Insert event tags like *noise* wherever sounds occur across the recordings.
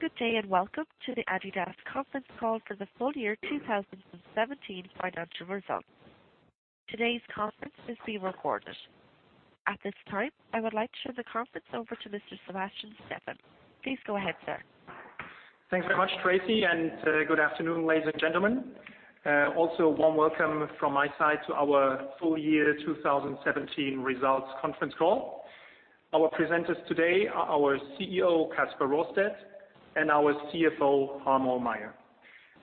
Good day, and welcome to the adidas conference call for the full year 2017 financial results. Today's conference is being recorded. At this time, I would like to turn the conference over to Mr. Sebastian Steffen. Please go ahead, sir. Thanks very much, Tracy, and good afternoon, ladies and gentlemen. Also, a warm welcome from my side to our full year 2017 results conference call. Our presenters today are our CEO, Kasper Rørsted, and our CFO, Harm Ohlmeyer.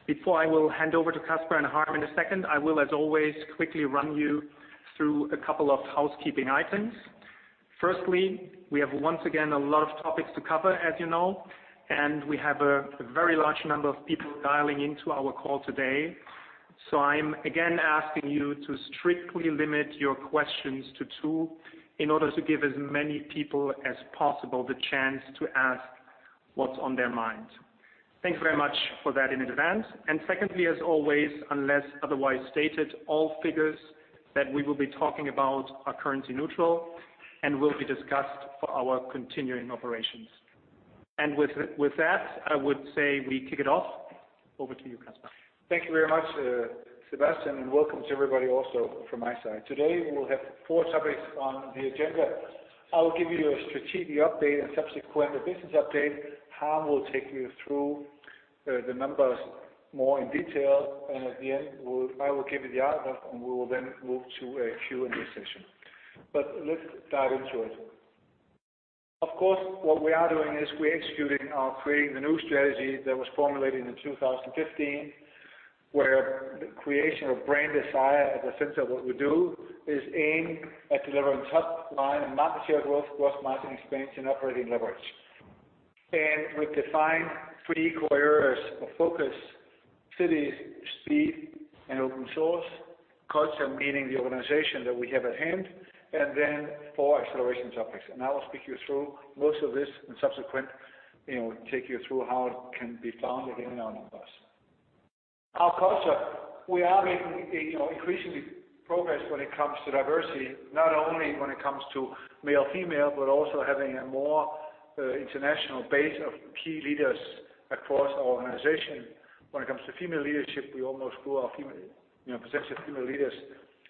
Before I will hand over to Kasper and Harm in a second, I will, as always, quickly run you through a couple of housekeeping items. Firstly, we have once again a lot of topics to cover, as you know, and we have a very large number of people dialing into our call today. I'm again asking you to strictly limit your questions to two in order to give as many people as possible the chance to ask what's on their mind. Thank you very much for that in advance. Secondly, as always, unless otherwise stated, all figures that we will be talking about are currency neutral and will be discussed for our continuing operations. With that, I would say we kick it off. Over to you, Kasper. Thank you very much, Sebastian, and welcome to everybody also from my side. Today, we'll have four topics on the agenda. I will give you a strategic update and subsequent business update. Harm will take you through the numbers more in detail, and at the end, I will give you the outlook, and we will then move to a Q&A session. Let's dive into it. Of course, what we are doing is we're executing our Creating the New strategy that was formulated in 2015. Where the creation of brand desire at the center of what we do is aimed at delivering top-line and market share growth, gross margin expansion, operating leverage. We've defined three core areas of focus: cities, speed, and open source. Culture, meaning the organization that we have at hand, and then four acceleration topics. I will speak you through most of this in subsequent, take you through how it can be found within our numbers. Our culture, we are making increasingly progress when it comes to diversity, not only when it comes to male, female, but also having a more international base of key leaders across our organization. When it comes to female leadership, we almost grew our presence of female leaders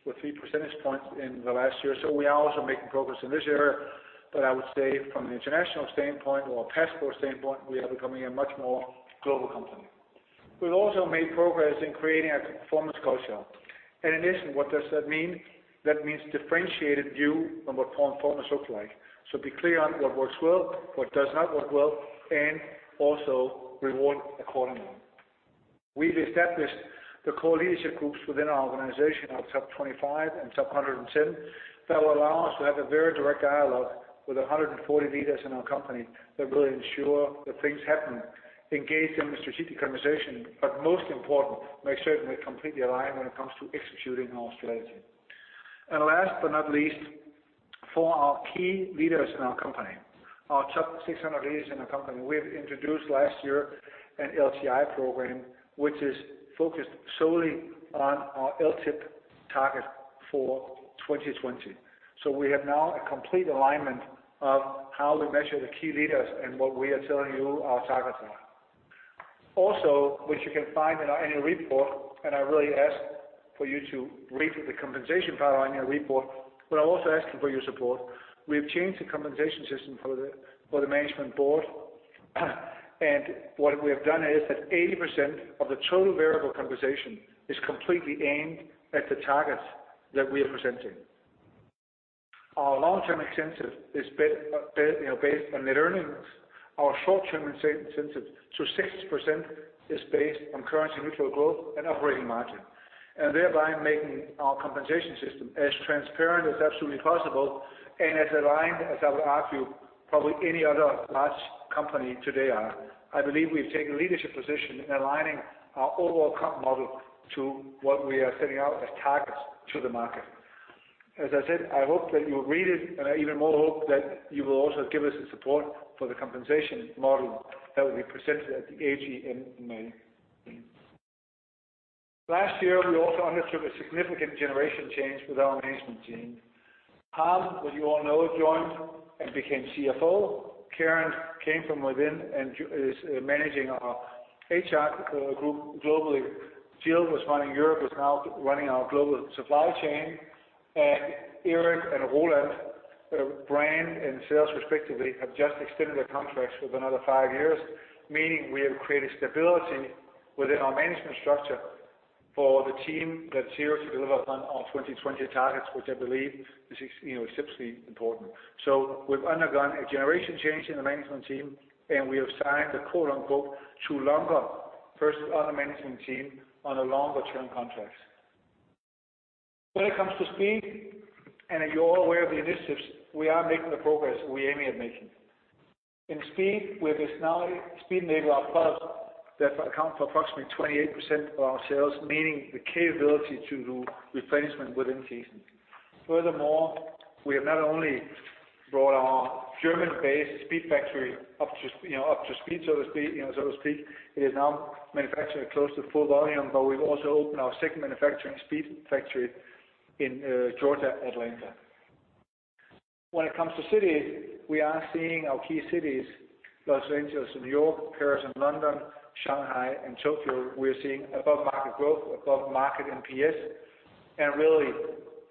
with three percentage points in the last year. We are also making progress in this area, but I would say from an international standpoint or a passport standpoint, we are becoming a much more global company. We've also made progress in creating a performance culture. In essence, what does that mean? That means differentiated view on what performance looks like. Be clear on what works well, what does not work well, and also reward accordingly. We've established the core leadership groups within our organization, our top 25 and top 110, that will allow us to have a very direct dialogue with 140 leaders in our company that will ensure that things happen, engage in the strategic conversation, but most important, make certain we're completely aligned when it comes to executing our strategy. Last but not least, for our key leaders in our company, our top 600 leaders in our company, we've introduced last year an LTI program, which is focused solely on our LTIP target for 2020. We have now a complete alignment of how we measure the key leaders and what we are telling you our targets are. Which you can find in our annual report, and I really ask for you to read the compensation part on your report, but I'm also asking for your support. We've changed the compensation system for the management board, and what we have done is that 80% of the total variable compensation is completely aimed at the targets that we are presenting. Our long-term incentive is based on net earnings. Our short-term incentive, 6% is based on currency neutral growth and operating margin, and thereby making our compensation system as transparent as absolutely possible and as aligned as, I would argue, probably any other large company today are. I believe we've taken a leadership position in aligning our overall comp model to what we are setting out as targets to the market. As I said, I hope that you read it, and I even more hope that you will also give us the support for the compensation model that will be presented at the AG in May. Last year, we also undertook a significant generation change with our management team. Harm, who you all know, joined and became CFO. Karen came from within and is managing our HR group globally. Jill was running Europe, is now running our global supply chain. Eric and Roland, brand and sales respectively, have just extended their contracts with another five years, meaning we have created stability within our management structure for the team that's here to deliver on our 2020 targets, which I believe is exceptionally important. We've undergone a generation change in the management team, and we have signed the quote, unquote, "Two longer," first on the management team on a longer-term contracts. When it comes to speed, and you're all aware of the initiatives, we are making the progress we are aiming at making. In speed, we have this now speed enabled our products that account for approximately 28% of our sales, meaning the capability to do replacement within season. Furthermore, we have not only brought our German-based SPEEDFACTORY up to speed, so to speak. It is now manufacturing close to full volume. We've also opened our second manufacturing SPEEDFACTORY in Georgia, Atlanta. When it comes to cities, we are seeing our key cities, Los Angeles, New York, Paris and London, Shanghai and Tokyo. We're seeing above-market growth, above-market NPS, and really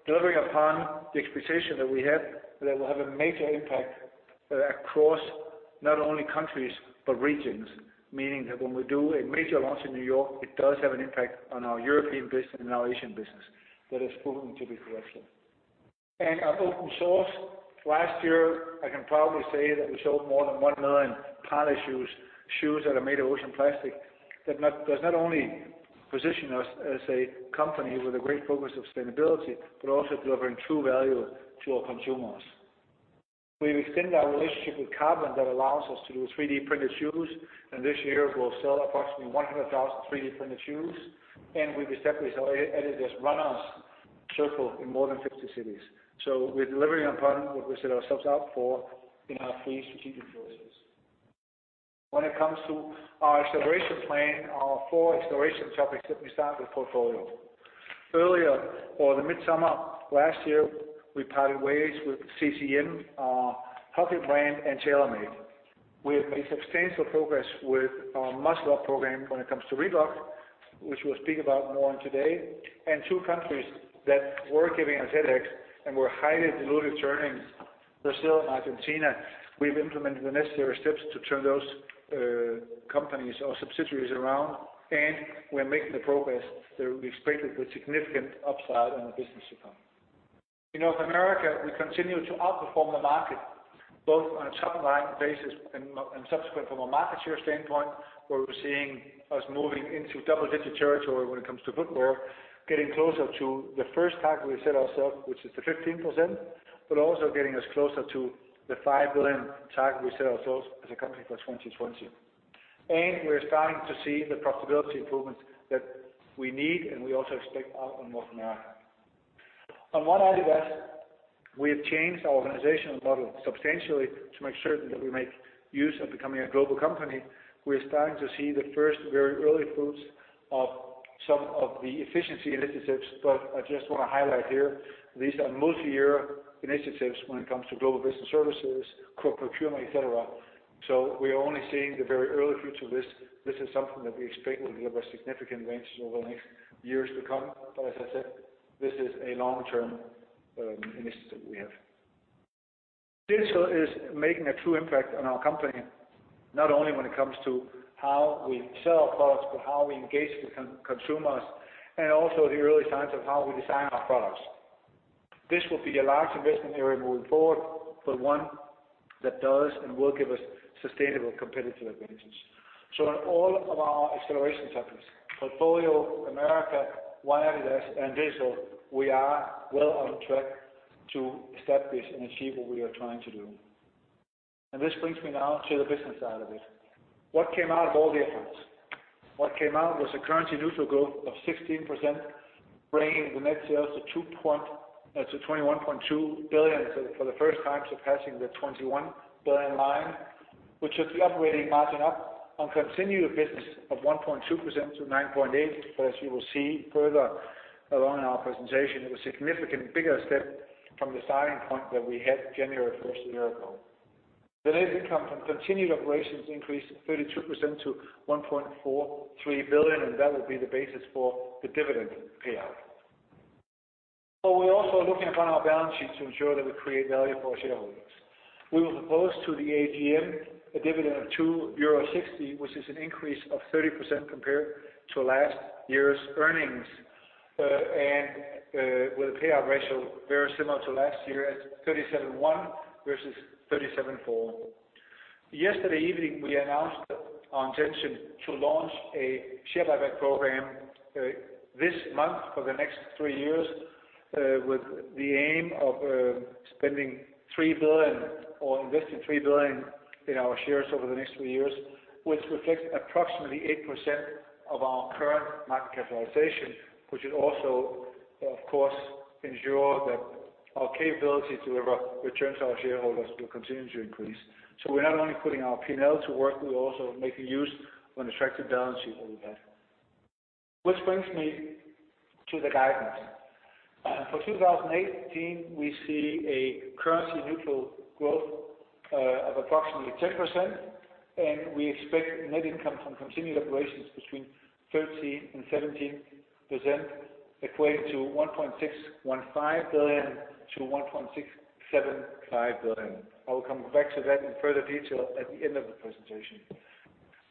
delivering upon the expectation that we have that will have a major impact across not only countries but regions. Meaning that when we do a major launch in New York, it does have an impact on our European business and our Asian business that has proven to be the case. On open source, last year, I can proudly say that we sold more than 1 million Parley Shoes, shoes that are made of ocean plastic, that does not only position us as a company with a great focus on sustainability, but also delivering true value to our consumers. We've extended our relationship with Carbon that allows us to do 3D-printed shoes. This year we'll sell approximately 100,000 3D-printed shoes. We've established our adidas Runners in more than 50 cities. We're delivering upon what we set ourselves up for in our three strategic choices. When it comes to our acceleration plan, our four acceleration topics, let me start with portfolio. Earlier or the mid-summer last year, we parted ways with CCM, our hockey brand and TaylorMade. We have made substantial progress with our Muscle Up program when it comes to Reebok, which we'll speak about more on today, and two countries that were giving us headaches and were highly dilutive journeys, Brazil and Argentina. We've implemented the necessary steps to turn those companies or subsidiaries around. We're making the progress that we expected with significant upside in the business to come. In North America, we continue to outperform the market, both on a top-line basis and subsequent from a market share standpoint, where we're seeing us moving into double-digit territory when it comes to footwear, getting closer to the first target we set ourselves, which is the 15%, also getting us closer to the 5 billion target we set ourselves as a company for 2020. We're starting to see the profitability improvements that we need, and we also expect out in North America. On ONE adidas, we have changed our organizational model substantially to make certain that we make use of becoming a global company. We're starting to see the first very early fruits of some of the efficiency initiatives. I just want to highlight here, these are multi-year initiatives when it comes to global business services, procurement, et cetera. We are only seeing the very early fruits of this. This is something that we expect will deliver significant advances over the next years to come. As I said, this is a long-term initiative we have. Digital is making a true impact on our company, not only when it comes to how we sell our products, but how we engage with consumers, and also the early signs of how we design our products. This will be a large investment area moving forward, but one that does and will give us sustainable competitive advantages. In all of our acceleration topics, portfolio, America, ONE adidas, and digital, we are well on track to establish and achieve what we are trying to do. This brings me now to the business side of it. What came out of all the efforts? What came out was a currency-neutral growth of 16%, bringing the net sales to 21.2 billion for the first time surpassing the 21 billion line, which should be operating margin up on continued business of 1.2% to 9.8%. As you will see further along in our presentation, it was a significantly bigger step from the starting point that we had January 1st a year ago. The net income from continued operations increased 32% to 1.43 billion, and that will be the basis for the dividend payout. We're also looking upon our balance sheet to ensure that we create value for our shareholders. We will propose to the AGM a dividend of €2.60, which is an increase of 30% compared to last year's earnings, and with a payout ratio very similar to last year at 37.1% versus 37.4%. Yesterday evening, we announced our intention to launch a share buyback program this month for the next three years with the aim of spending 3 billion or investing 3 billion in our shares over the next three years, which reflects approximately 8% of our current market capitalization, which should also, of course, ensure that our capability to deliver returns to our shareholders will continue to increase. We're not only putting our P&L to work, we're also making use of an attractive balance sheet that we have. Which brings me to the guidance. For 2018, we see a currency neutral growth of approximately 10%, and we expect net income from continued operations between 13% and 17%, equating to 1.615 billion-1.675 billion. I will come back to that in further detail at the end of the presentation.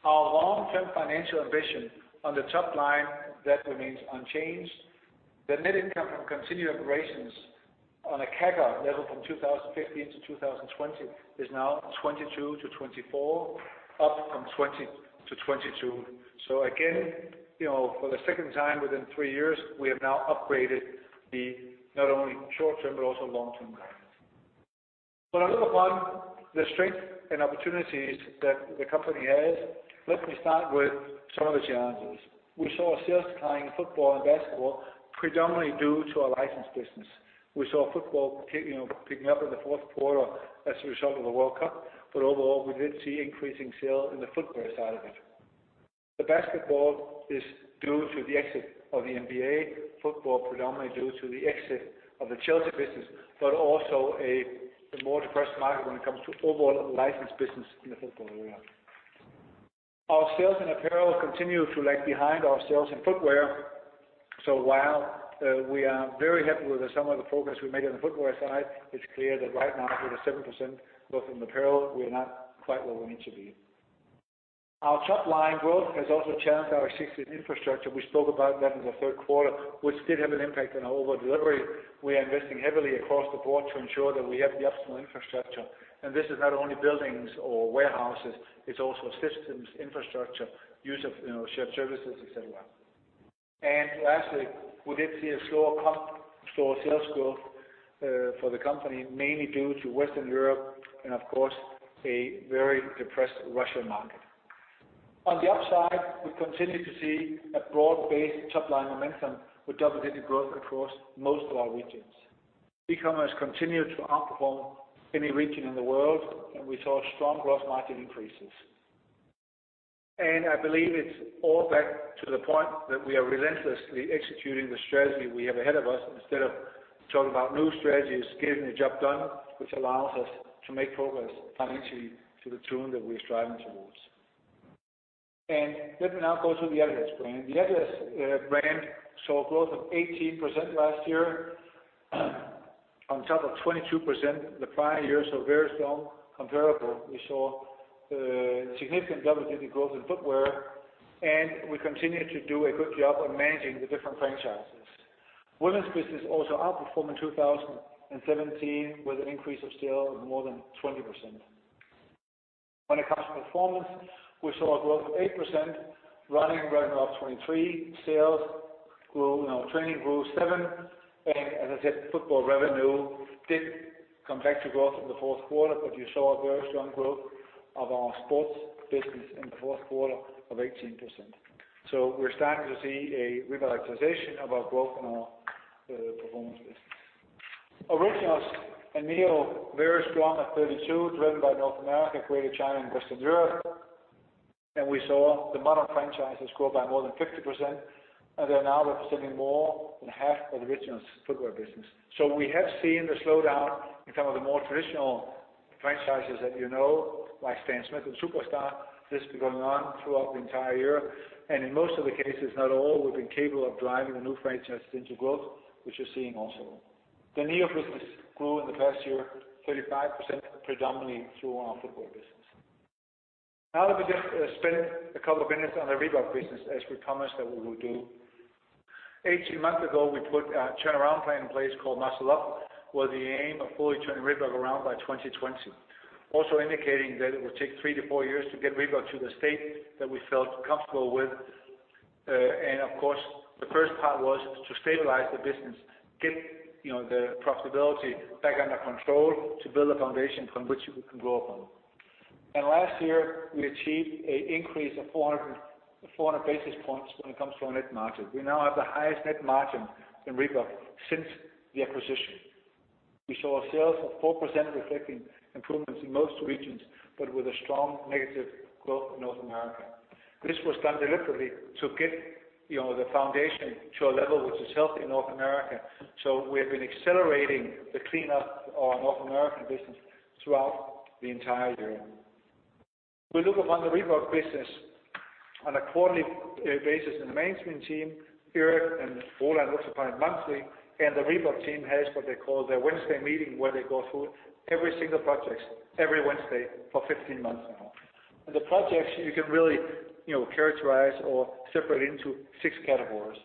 Our long-term financial ambition on the top line, that remains unchanged. The net income from continued operations on a CAGR level from 2015 to 2020 is now 22%-24%, up from 20%-22%. Again, for the second time within three years, we have now upgraded the not only short-term, but also long-term guidance. When I look upon the strength and opportunities that the company has, let me start with some of the challenges. We saw sales decline in football and basketball, predominantly due to our license business. We saw football picking up in the fourth quarter as a result of the World Cup. Overall, we did see increasing sales in the footwear side of it. The basketball is due to the exit of the NBA, football predominantly due to the exit of the Chelsea business, but also a more depressed market when it comes to overall licensed business in the football area. Our sales in apparel continue to lag behind our sales in footwear. While we are very happy with some of the progress we made on the footwear side, it's clear that right now with a 7% growth in apparel, we are not quite where we need to be. Our top line growth has also challenged our existing infrastructure. We spoke about that in the third quarter, which did have an impact on our overall delivery. We are investing heavily across the board to ensure that we have the optimal infrastructure. This is not only buildings or warehouses, it's also systems, infrastructure, use of shared services, et cetera. Lastly, we did see a slower comp, slower sales growth, for the company, mainly due to Western Europe and of course, a very depressed Russian market. On the upside, we continue to see a broad-based top line momentum with double-digit growth across most of our regions. e-commerce continued to outperform any region in the world. We saw strong gross margin increases. I believe it's all back to the point that we are relentlessly executing the strategy we have ahead of us instead of talking about new strategies, getting the job done, which allows us to make progress financially to the tune that we're striving towards. Let me now go through the adidas brand. The adidas brand saw growth of 18% last year, on top of 22% the prior year, so very strong comparable. We saw significant double-digit growth in footwear. We continued to do a good job on managing the different franchises. Women's business also outperformed in 2017 with an increase of sale of more than 20%. When it comes to performance, we saw a growth of 8%, running up 23%, sales grew. Training grew 7%. As I said, football revenue did come back to growth in the fourth quarter. You saw a very strong growth of our sports business in the fourth quarter of 18%. We're starting to see a revitalization of our growth in our performance business. Originals and NEO, very strong at 32%, driven by North America, Greater China, and Western Europe. We saw the Modern franchises grow by more than 50%. They're now representing more than half of the Originals footwear business. We have seen the slowdown in some of the more traditional franchises that you know, like Stan Smith and Superstar. This has been going on throughout the entire year. In most of the cases, not all, we've been capable of driving the new franchises into growth, which we're seeing also. The NEO business grew in the past year 35%, predominantly through our football business. Now let me just spend a couple of minutes on the Reebok business, as we promised that we would do. 18 months ago, we put a turnaround plan in place called Muscle Up, with the aim of fully turning Reebok around by 2020. Also indicating that it would take three to four years to get Reebok to the state that we felt comfortable with. Of course, the first part was to stabilize the business, get the profitability back under control to build a foundation from which we can grow upon. Last year, we achieved an increase of 400 basis points when it comes to our net margin. We now have the highest net margin in Reebok since the acquisition. We saw sales of 4% reflecting improvements in most regions, but with a strong negative growth in North America. This was done deliberately to get the foundation to a level which is healthy in North America. We have been accelerating the cleanup of our North American business throughout the entire year. We look upon the Reebok business on a quarterly basis, and the management team, Harm and Roland, looks upon it monthly, and the Reebok team has what they call their Wednesday meeting, where they go through every single project every Wednesday for 15 months now. The projects you can really characterize or separate into 6 categories: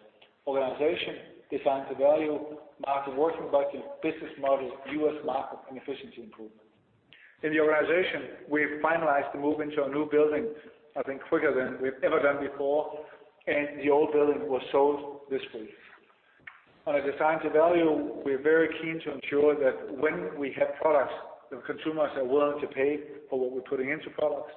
organization, design to value, margin working budget, business models, U.S. market, and efficiency improvement. In the organization, we've finalized the move into a new building, I think quicker than we've ever done before, the old building was sold this week. On a design to value, we're very keen to ensure that when we have products, the consumers are willing to pay for what we're putting into products.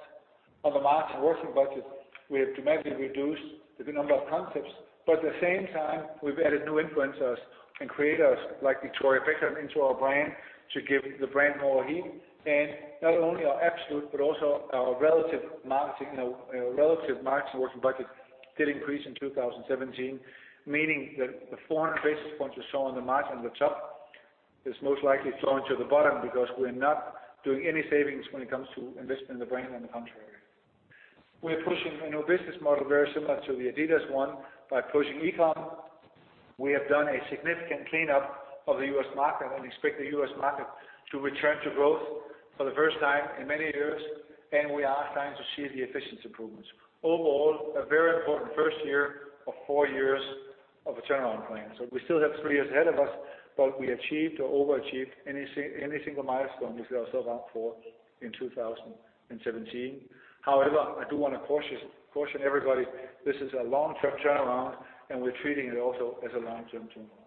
On the margin working budget, we have dramatically reduced the number of concepts, but at the same time, we've added new influencers and creators like Victoria Beckham into our brand to give the brand more heat. Not only our absolute, but also our relative margin working budget did increase in 2017, meaning that the 400 basis points you saw on the margin at the top is most likely flowing to the bottom because we're not doing any savings when it comes to investing in the brand, on the contrary. We're pushing a new business model very similar to the adidas one by pushing e-com. We have done a significant cleanup of the U.S. market and expect the U.S. market to return to growth for the first time in many years, and we are starting to see the efficiency improvements. Overall, a very important first year of four years of a turnaround plan. We still have three years ahead of us, but we achieved or overachieved any single milestone we set ourselves out for in 2017. However, I do want to caution everybody, this is a long-term turnaround, and we're treating it also as a long-term turnaround.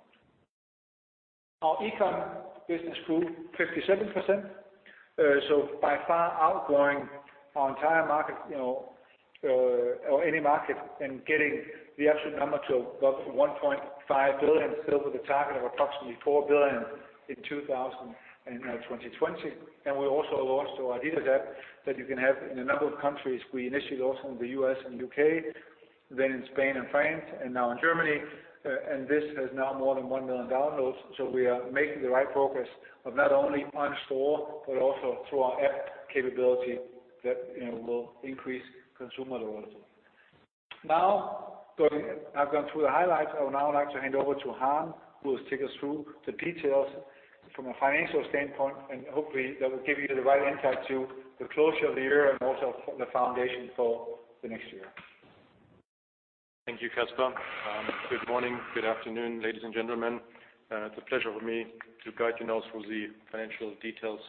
Our e-com business grew 57%, by far outgrowing our entire market, or any market, and getting the actual number to above 1.5 billion, still with a target of approximately 4 billion in 2020. We also launched our adidas app that you can have in a number of countries. We initially launched in the U.S. and U.K. In Spain and France, now in Germany. This has now more than one million downloads. We are making the right progress of not only on store but also through our app capability that will increase consumer loyalty. Now, I've gone through the highlights. I would now like to hand over to Harm, who will take us through the details from a financial standpoint, and hopefully, that will give you the right insight to the closure of the year and also the foundation for the next year. Thank you, Kasper. Good morning. Good afternoon, ladies and gentlemen. It's a pleasure for me to guide you now through the financial details.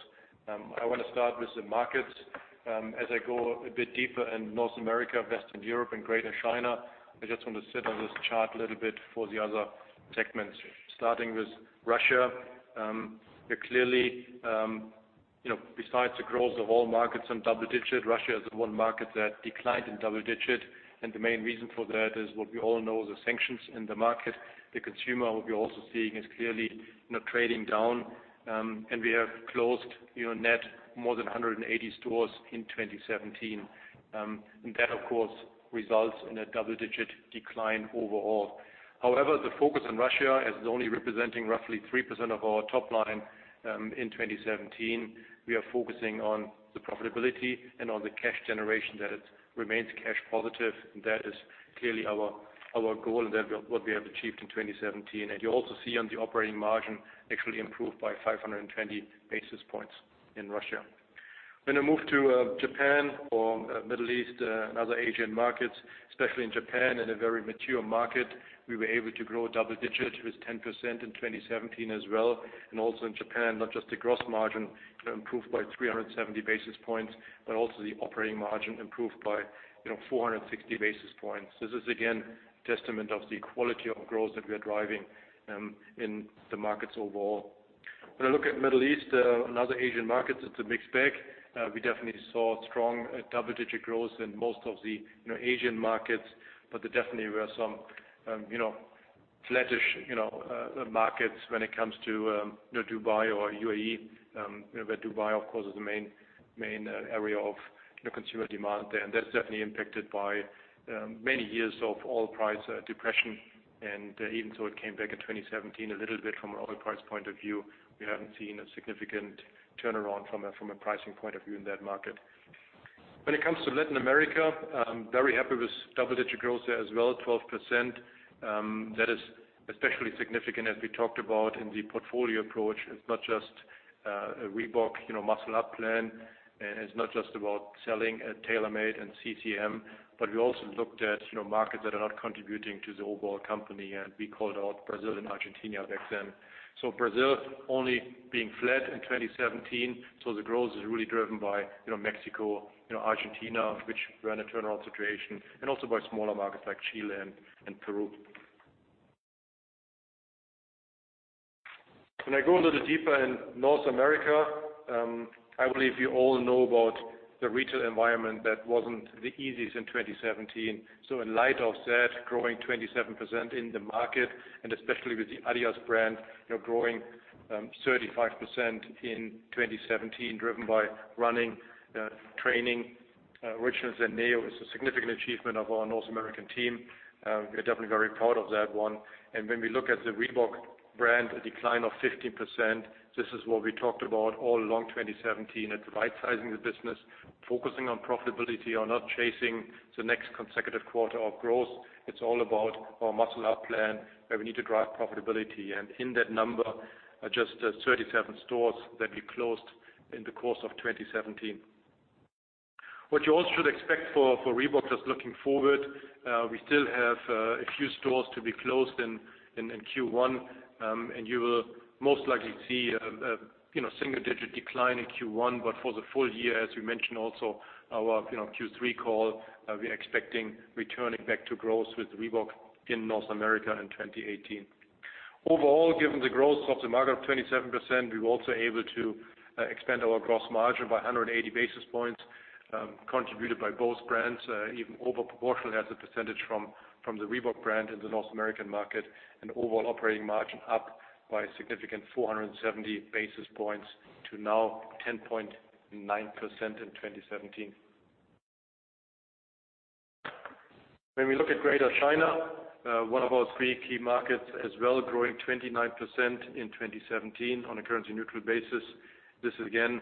I want to start with the markets. As I go a bit deeper in North America, Western Europe and Greater China, I just want to sit on this chart a little bit for the other tech mentions. Starting with Russia, clearly, besides the growth of all markets in double-digit, Russia is the one market that declined in double-digit and the main reason for that is what we all know, the sanctions in the market. The consumer, what we're also seeing is clearly trading down. We have closed net more than 180 stores in 2017. That, of course, results in a double-digit decline overall. However, the focus on Russia as only representing roughly 3% of our top line in 2017. We are focusing on the profitability and on the cash generation that it remains cash positive, and that is clearly our goal and what we have achieved in 2017. You also see on the operating margin actually improved by 520 basis points in Russia. When I move to Japan or Middle East and other Asian markets, especially in Japan, in a very mature market, we were able to grow double digits with 10% in 2017 as well. Also in Japan, not just the gross margin improved by 370 basis points, but also the operating margin improved by 460 basis points. This is, again, testament of the quality of growth that we are driving in the markets overall. When I look at Middle East, another Asian market, it's a mixed bag. We definitely saw strong double-digit growth in most of the Asian markets, there definitely were some flattish markets when it comes to Dubai or UAE, where Dubai, of course, is the main area of consumer demand there. That's definitely impacted by many years of oil price depression. Even so, it came back in 2017 a little bit from an oil price point of view. We haven't seen a significant turnaround from a pricing point of view in that market. When it comes to Latin America, I'm very happy with double-digit growth there as well, 12%. That is especially significant as we talked about in the portfolio approach. It's not just a Reebok Muscle Up plan, it's not just about selling at TaylorMade and CCM, we also looked at markets that are not contributing to the overall company, we called out Brazil and Argentina back then. Brazil only being flat in 2017. The growth is really driven by Mexico, Argentina, which ran a turnaround situation, and also by smaller markets like Chile and Peru. When I go a little deeper in North America, I believe you all know about the retail environment that wasn't the easiest in 2017. In light of that, growing 27% in the market and especially with the adidas brand growing 35% in 2017, driven by running, training, Originals, and NEO is a significant achievement of our North American team. We're definitely very proud of that one. When we look at the Reebok brand, a decline of 15%. This is what we talked about all along 2017. It is right-sizing the business, focusing on profitability and not chasing the next consecutive quarter of growth. It is all about our Muscle Up plan, where we need to drive profitability. And in that number, just 37 stores that we closed in the course of 2017. What you all should expect for Reebok just looking forward, we still have a few stores to be closed in Q1. And you will most likely see a single-digit decline in Q1. But for the full year, as we mentioned also our Q3 call, we are expecting returning back to growth with Reebok in North America in 2018. Overall, given the growth of the market of 27%, we were also able to expand our gross margin by 180 basis points contributed by both brands, even over-proportionate as a percentage from the Reebok brand in the North American market and overall operating margin up by a significant 470 basis points to now 10.9% in 2017. When we look at Greater China, one of our three key markets as well, growing 29% in 2017 on a currency-neutral basis. This is again,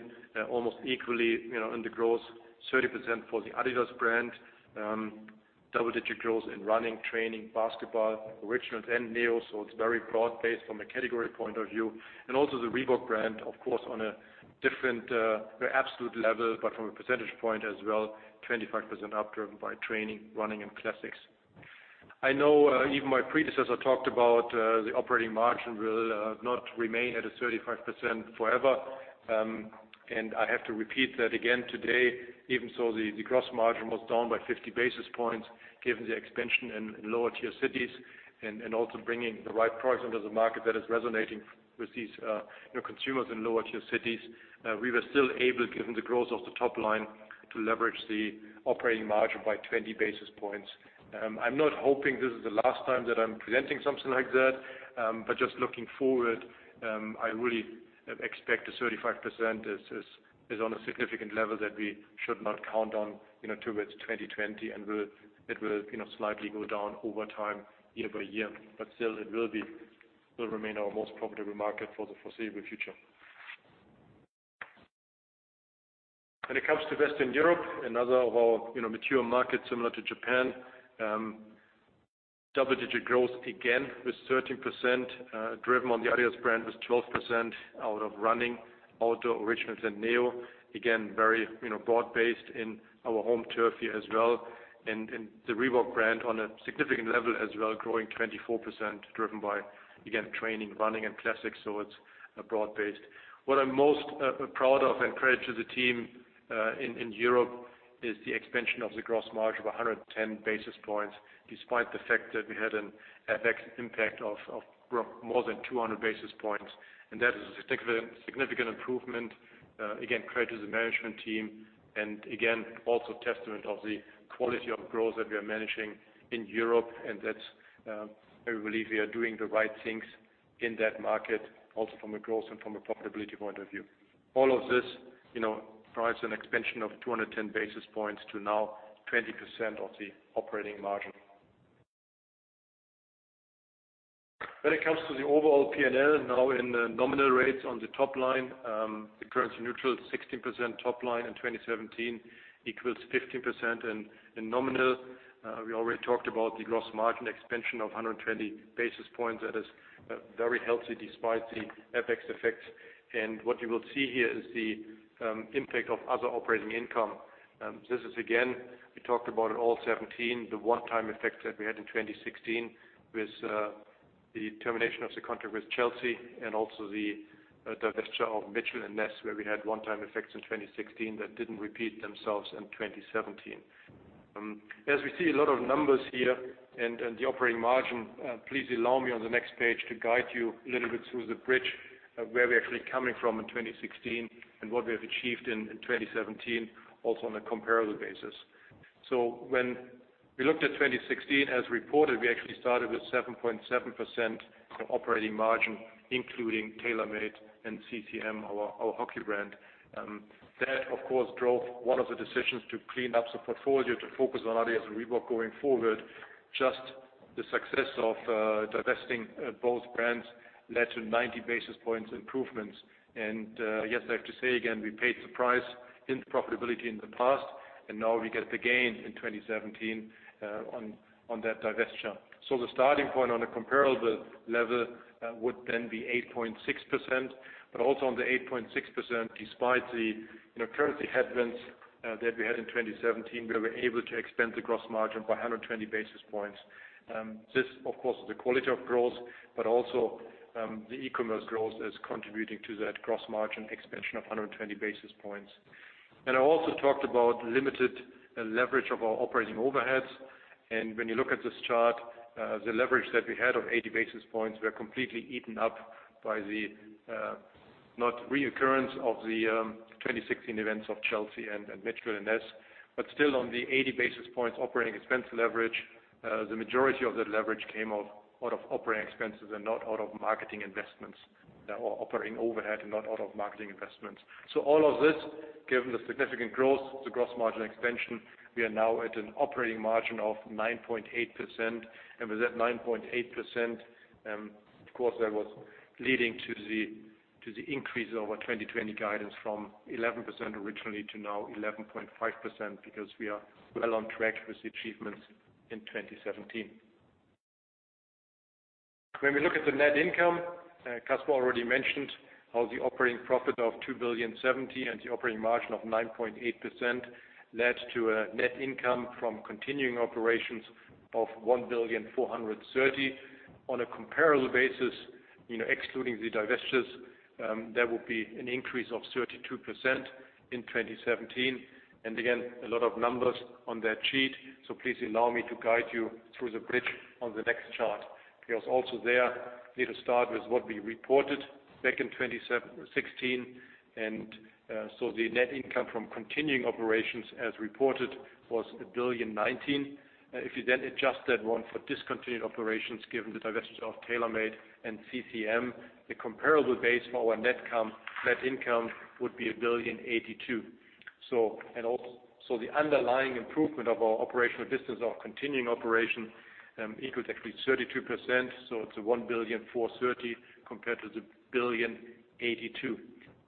almost equally in the growth, 30% for the adidas brand. Double-digit growth in running, training, basketball, Originals, and NEO. So it is very broad-based from a category point of view. And also the Reebok brand, of course, on a different absolute level, but from a percentage point as well, 25% up driven by training, running and classics. I know even my predecessor talked about the operating margin will not remain at a 35% forever. And I have to repeat that again today. Even so, the gross margin was down by 50 basis points given the expansion in lower tier cities and also bringing the right price into the market that is resonating with these consumers in lower tier cities. We were still able, given the growth of the top line, to leverage the operating margin by 20 basis points. I am not hoping this is the last time that I am presenting something like that. Just looking forward, I really expect a 35% is on a significant level that we should not count on towards 2020 and it will slightly go down over time year by year. Still, it will remain our most profitable market for the foreseeable future. When it comes to Western Europe, another of our mature markets similar to Japan. Double-digit growth, again, with 13% driven on the adidas brand with 12% out of running, outdoor, Originals, and NEO. Again, very broad-based in our home turf here as well and the Reebok brand on a significant level as well, growing 24%, driven by, again, training, running, and classics. So it is broad-based. What I am most proud of and credit to the team in Europe is the expansion of the gross margin of 110 basis points, despite the fact that we had an FX impact of more than 200 basis points. And that is a significant improvement. Again, credit to the management team and again, also testament of the quality of growth that we are managing in Europe. That I believe we are doing the right things in that market, also from a growth and from a profitability point of view. All of this drives an expansion of 210 basis points to now 20% of the operating margin. When it comes to the overall P&L now in nominal rates on the top line, the currency neutral 16% top line in 2017 equals 15% in nominal. We already talked about the gross margin expansion of 120 basis points. That is very healthy despite the FX effects. What you will see here is the impact of other operating income. This is, again, we talked about it all '17, the one-time effects that we had in 2016 with the termination of the contract with Chelsea and also the divestiture of Mitchell & Ness, where we had one-time effects in 2016 that didn't repeat themselves in 2017. As we see a lot of numbers here and the operating margin, please allow me on the next page to guide you a little bit through the bridge of where we're actually coming from in 2016 and what we have achieved in 2017, also on a comparable basis. When we looked at 2016 as reported, we actually started with 7.7% operating margin, including TaylorMade and CCM, our hockey brand. That of course, drove one of the decisions to clean up the portfolio to focus on adidas and Reebok going forward. Just the success of divesting both brands led to 90 basis points improvements. Yes, I have to say again, we paid the price in profitability in the past, now we get the gain in 2017 on that divestiture. The starting point on a comparable level would then be 8.6%. Also on the 8.6%, despite the currency headwinds that we had in 2017, we were able to expand the gross margin by 120 basis points. This, of course, is the quality of growth, but also the e-commerce growth is contributing to that gross margin expansion of 120 basis points. I also talked about limited leverage of our operating overheads. When you look at this chart, the leverage that we had of 80 basis points were completely eaten up by the, not reoccurrence of the 2016 events of Chelsea and Mitchell & Ness, but still on the 80 basis points operating expense leverage. The majority of that leverage came out of operating expenses and not out of marketing investments or operating overhead and not out of marketing investments. All of this, given the significant growth, the gross margin expansion, we are now at an operating margin of 9.8%. With that 9.8%, of course, that was leading to the increase of our 2020 guidance from 11% originally to now 11.5% because we are well on track with the achievements in 2017. When we look at the net income, Kasper already mentioned how the operating profit of 2 billion 70 and the operating margin of 9.8% led to a net income from continuing operations of 1 billion 430. On a comparable basis excluding the divestitures that will be an increase of 32% in 2017. Again, a lot of numbers on that sheet. Please allow me to guide you through the bridge on the next chart, because also there need to start with what we reported back in 2016. The net income from continuing operations as reported was 1.019 billion. If you then adjust that one for discontinued operations, given the divestiture of TaylorMade and CCM, the comparable base for our net income would be 1.082 billion. The underlying improvement of our (operational distance) of continuing operations equals actually 32%. So it is 1.430 billion compared to the 1.082 billion,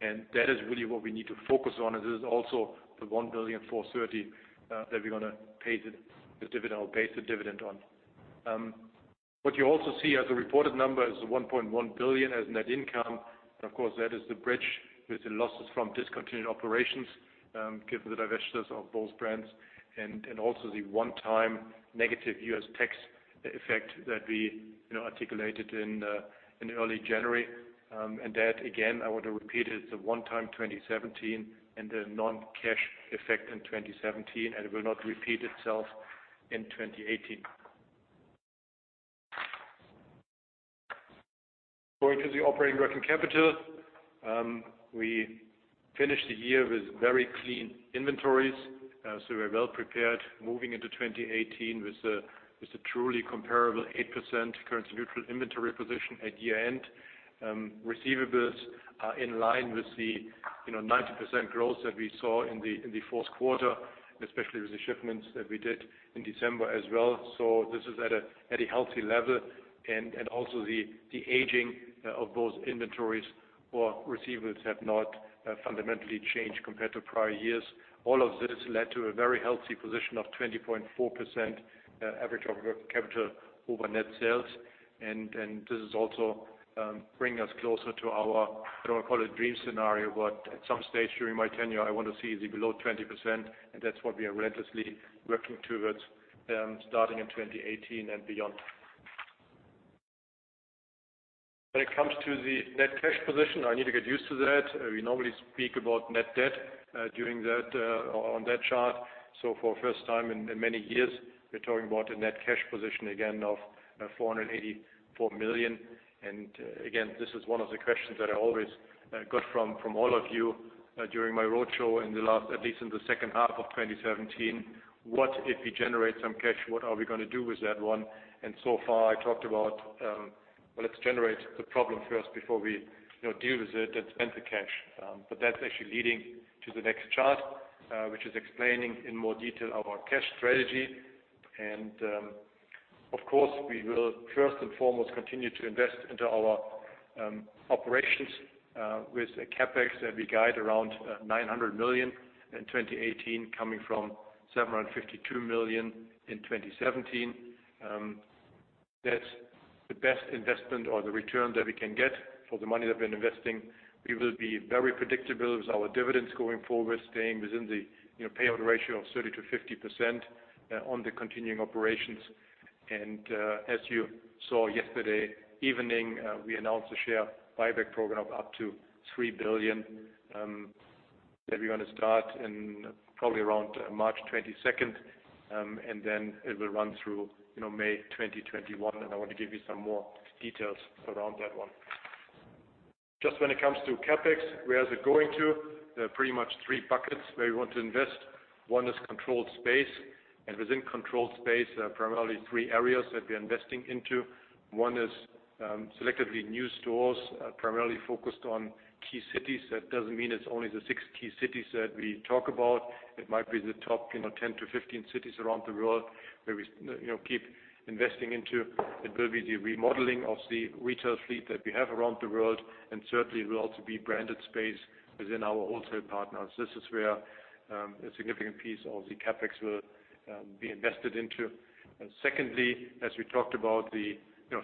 and that is really what we need to focus on. It is also the 1.430 billion that we are going to pay the dividend on. What you also see as a reported number is the 1.1 billion as net income. Of course, that is the bridge with the losses from discontinued operations given the divestitures of both brands and also the one-time negative U.S. tax effect that we articulated in early January. That, again, I want to repeat it is a one-time 2017 and a non-cash effect in 2017, and it will not repeat itself in 2018. Going to the operating working capital. We finished the year with very clean inventories. So we are well prepared moving into 2018 with a truly comparable 8% currency neutral inventory position at year-end. Receivables are in line with the 90% growth that we saw in the Q4, especially with the shipments that we did in December as well. So this is at a healthy level. Also the aging of those inventories or receivables have not fundamentally changed compared to prior years. All of this led to a very healthy position of 20.4% average operating capital over net sales. This is also bringing us closer to our, I do not want to call it a dream scenario, but at some stage during my tenure I want to see it below 20%, and that is what we are relentlessly working towards, starting in 2018 and beyond. When it comes to the net cash position, I need to get used to that. We normally speak about net debt on that chart. So for the first time in many years, we are talking about a net cash position again of 484 million. Again, this is one of the questions that I always got from all of you during my road show in at least in the second half of 2017. What if we generate some cash? What are we going to do with that one? So far, I talked about, well, let us generate the problem first before we deal with it and spend the cash. But that is actually leading to the next chart, which is explaining in more detail our cash strategy. Of course, we will first and foremost continue to invest into our operations with a CapEx that we guide around 900 million in 2018 coming from 752 million in 2017. That is the best investment or the return that we can get for the money we have been investing. We will be very predictable with our dividends going forward, staying within the payout ratio of 30%-50% on the continuing operations. As you saw yesterday evening, we announced a share buyback program of up to 3 billion that we are going to start in probably around March 22nd, and then it will run through May 2021. I want to give you some more details around that one. Just when it comes to CapEx, where is it going to? There are pretty much three buckets where we want to invest. One is controlled space. Within controlled space, there are primarily three areas that we are investing into. One is selectively new stores, primarily focused on key cities. That doesn't mean it's only the six key cities that we talk about. It might be the top 10-15 cities around the world where we keep investing into. It will be the remodeling of the retail fleet that we have around the world, and certainly it will also be branded space within our wholesale partners. This is where a significant piece of the CapEx will be invested into. Secondly, as we talked about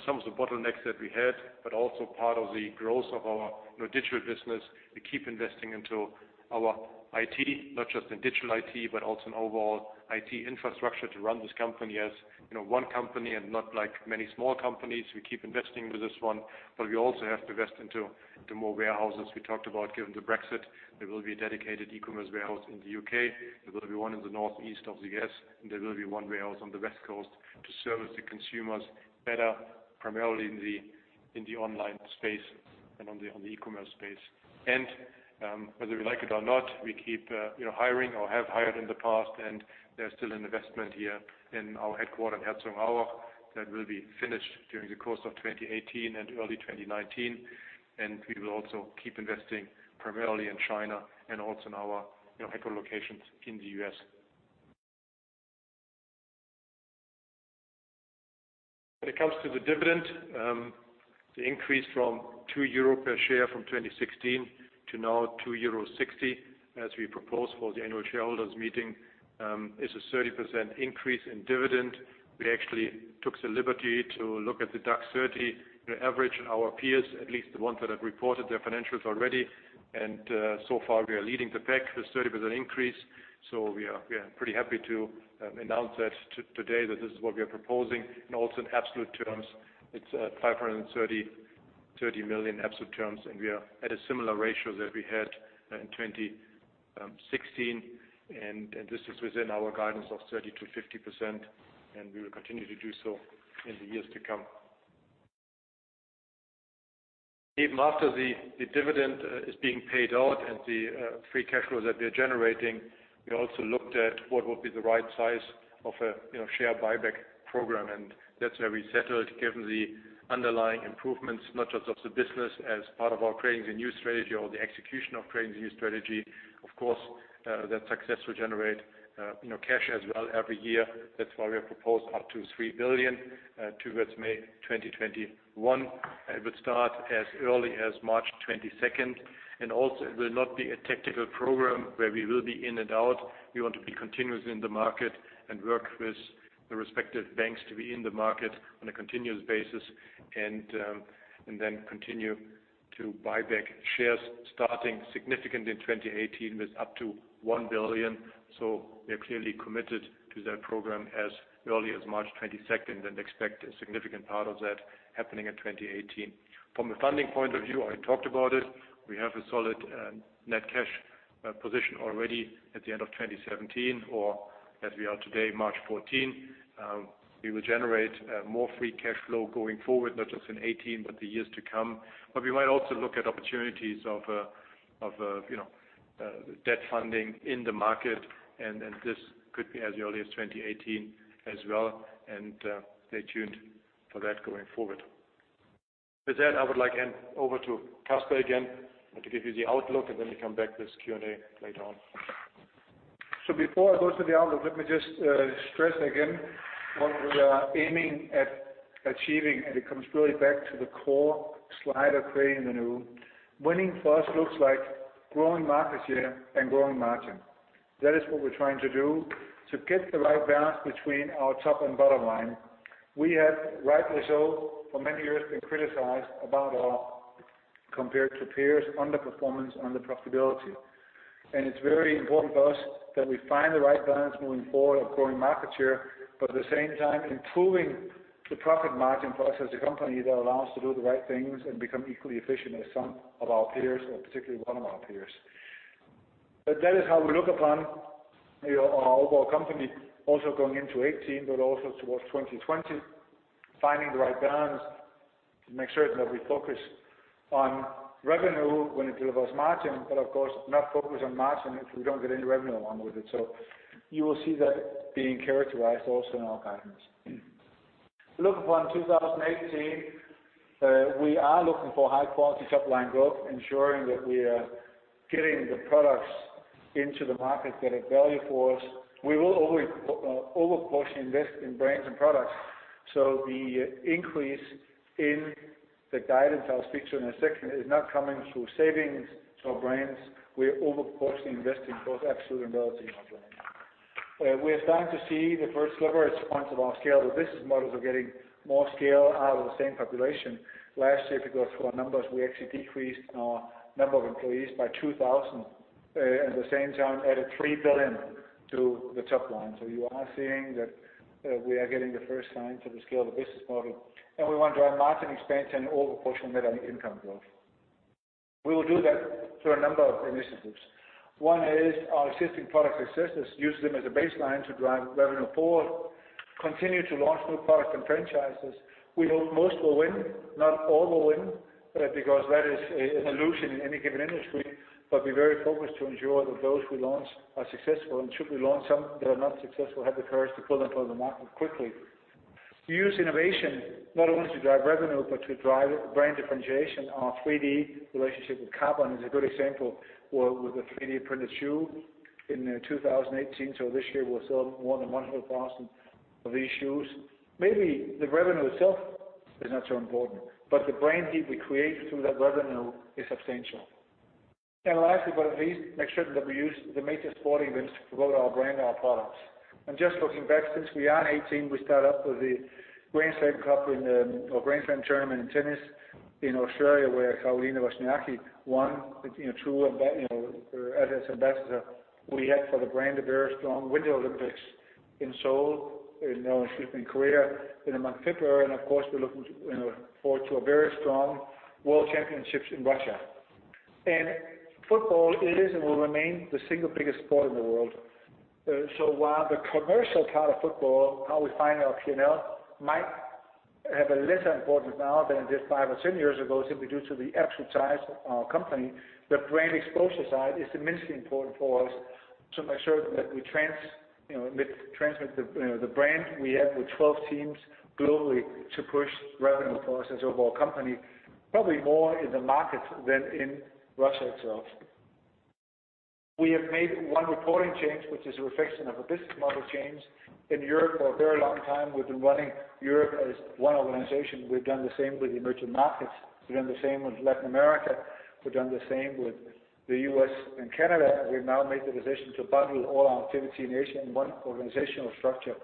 some of the bottlenecks that we had, but also part of the growth of our digital business to keep investing into our IT, not just in digital IT but also in overall IT infrastructure to run this company as one company and not like many small companies. We keep investing into this one. We also have to invest into more warehouses. We talked about given the Brexit, there will be a dedicated e-commerce warehouse in the U.K. There will be one in the northeast of the U.S., and there will be one warehouse on the West Coast to service the consumers better, primarily in the online space and on the e-commerce space. Whether we like it or not, we keep hiring or have hired in the past, and there's still an investment here in our headquarter in Herzogenaurach that will be finished during the course of 2018 and early 2019. We will also keep investing primarily in China and also in our hyper locations in the U.S. When it comes to the dividend, the increase from 2 euro per share from 2016 to now 2.60 euro, as we propose for the annual shareholders meeting, is a 30% increase in dividend. We actually took the liberty to look at the DAX 30 average, our peers, at least the ones that have reported their financials already. So far, we are leading the pack with a 30% increase. We are pretty happy to announce that today that this is what we are proposing. Also in absolute terms, it's 530 million absolute terms, we are at a similar ratio that we had in 2016. This is within our guidance of 30%-50%, and we will continue to do so in the years to come. Even after the dividend is being paid out and the free cash flow that we are generating, we also looked at what would be the right size of a share buyback program. That's where we settled, given the underlying improvements, not just of the business as part of our Creating the New strategy or the execution of Creating the New strategy. Of course, that success will generate cash as well every year. That's why we have proposed up to 3 billion towards May 2021. It would start as early as March 22nd. It will not be a tactical program where we will be in and out. We want to be continuous in the market and work with the respective banks to be in the market on a continuous basis and then continue to buy back shares starting significant in 2018 with up to 1 billion. We are clearly committed to that program as early as March 22nd and expect a significant part of that happening in 2018. From a funding point of view, I talked about it. We have a solid net cash position already at the end of 2017 or as we are today, March 14. We will generate more free cash flow going forward, not just in 2018, but the years to come. We might also look at opportunities of debt funding in the market, and this could be as early as 2018 as well. Stay tuned for that going forward. With that, I would like hand over to Kasper again to give you the outlook, and then we come back to this Q&A later on. Before I go to the outlook, let me just stress again what we are aiming at achieving, and it comes really back to the core slide of Creating the New. Winning for us looks like growing market share and growing margin. That is what we're trying to do to get the right balance between our top and bottom line. We have, rightly so, for many years been criticized about our, compared to peers, underperformance on the profitability. It's very important for us that we find the right balance moving forward of growing market share, but at the same time improving the profit margin for us as a company that allows us to do the right things and become equally efficient as some of our peers, or particularly one of our peers. That is how we look upon our overall company also going into 2018, but also towards 2020. Finding the right balance to make certain that we focus on revenue when it delivers margin, but of course, not focus on margin if we don't get any revenue along with it. You will see that being characterized also in our guidance. Look upon 2018, we are looking for high-quality top-line growth, ensuring that we are getting the products into the market that have value for us. We will over-portion investment in brands and products. The increase in the guidance I'll speak to in a second is not coming through savings to our brands. We're over-portioning investing both absolute and relative in our brands. We're starting to see the first levered response of our scale, the business models are getting more scale out of the same population. Last year, if you go through our numbers, we actually decreased our number of employees by 2,000. At the same time, added 3 billion to the top line. You are seeing that we are getting the first signs of the scale of the business model, and we want to drive margin expansion over proportional net income growth. We will do that through a number of initiatives. One is our existing products successes, use them as a baseline to drive revenue forward, continue to launch new products and franchises. We hope most will win, not all will win, because that is an illusion in any given industry, but be very focused to ensure that those we launch are successful and should we launch some that are not successful, have the courage to pull them from the market quickly. Use innovation not only to drive revenue but to drive brand differentiation. Our 3D relationship with Carbon is a good example, with a 3D-printed shoe in 2018. This year, we'll sell more than 100,000 of these shoes. Maybe the revenue itself is not so important, but the brand heat we create through that revenue is substantial. Lastly, but not least, make certain that we use the major sporting events to promote our brand and our products. Just looking back, since we are in 2018, we start up with the Grand Slam Cup in the, or Grand Slam tournament in tennis in Australia, where Caroline Wozniacki won. True, as its ambassador, we had for the brand a very strong Winter Olympics in Pyeongchang, in now it's Korea, in the month of February, and of course, we're looking forward to a very strong World Cup in Russia. Football is and will remain the single biggest sport in the world. While the commercial part of football, how we find our P&L might have a lesser importance now than it did five or 10 years ago, simply due to the absolute size of our company, the brand exposure side is immensely important for us to make certain that we transmit the brand we have with 12 teams globally to push revenue for us as overall company, probably more in the market than in Russia itself. We have made one reporting change, which is a reflection of a business model change. In Europe for a very long time, we've been running Europe as one organization. We've done the same with emerging markets. We've done the same with Latin America. We've done the same with the U.S. and Canada. We've now made the decision to bundle all our activity in Asia in one organizational structure,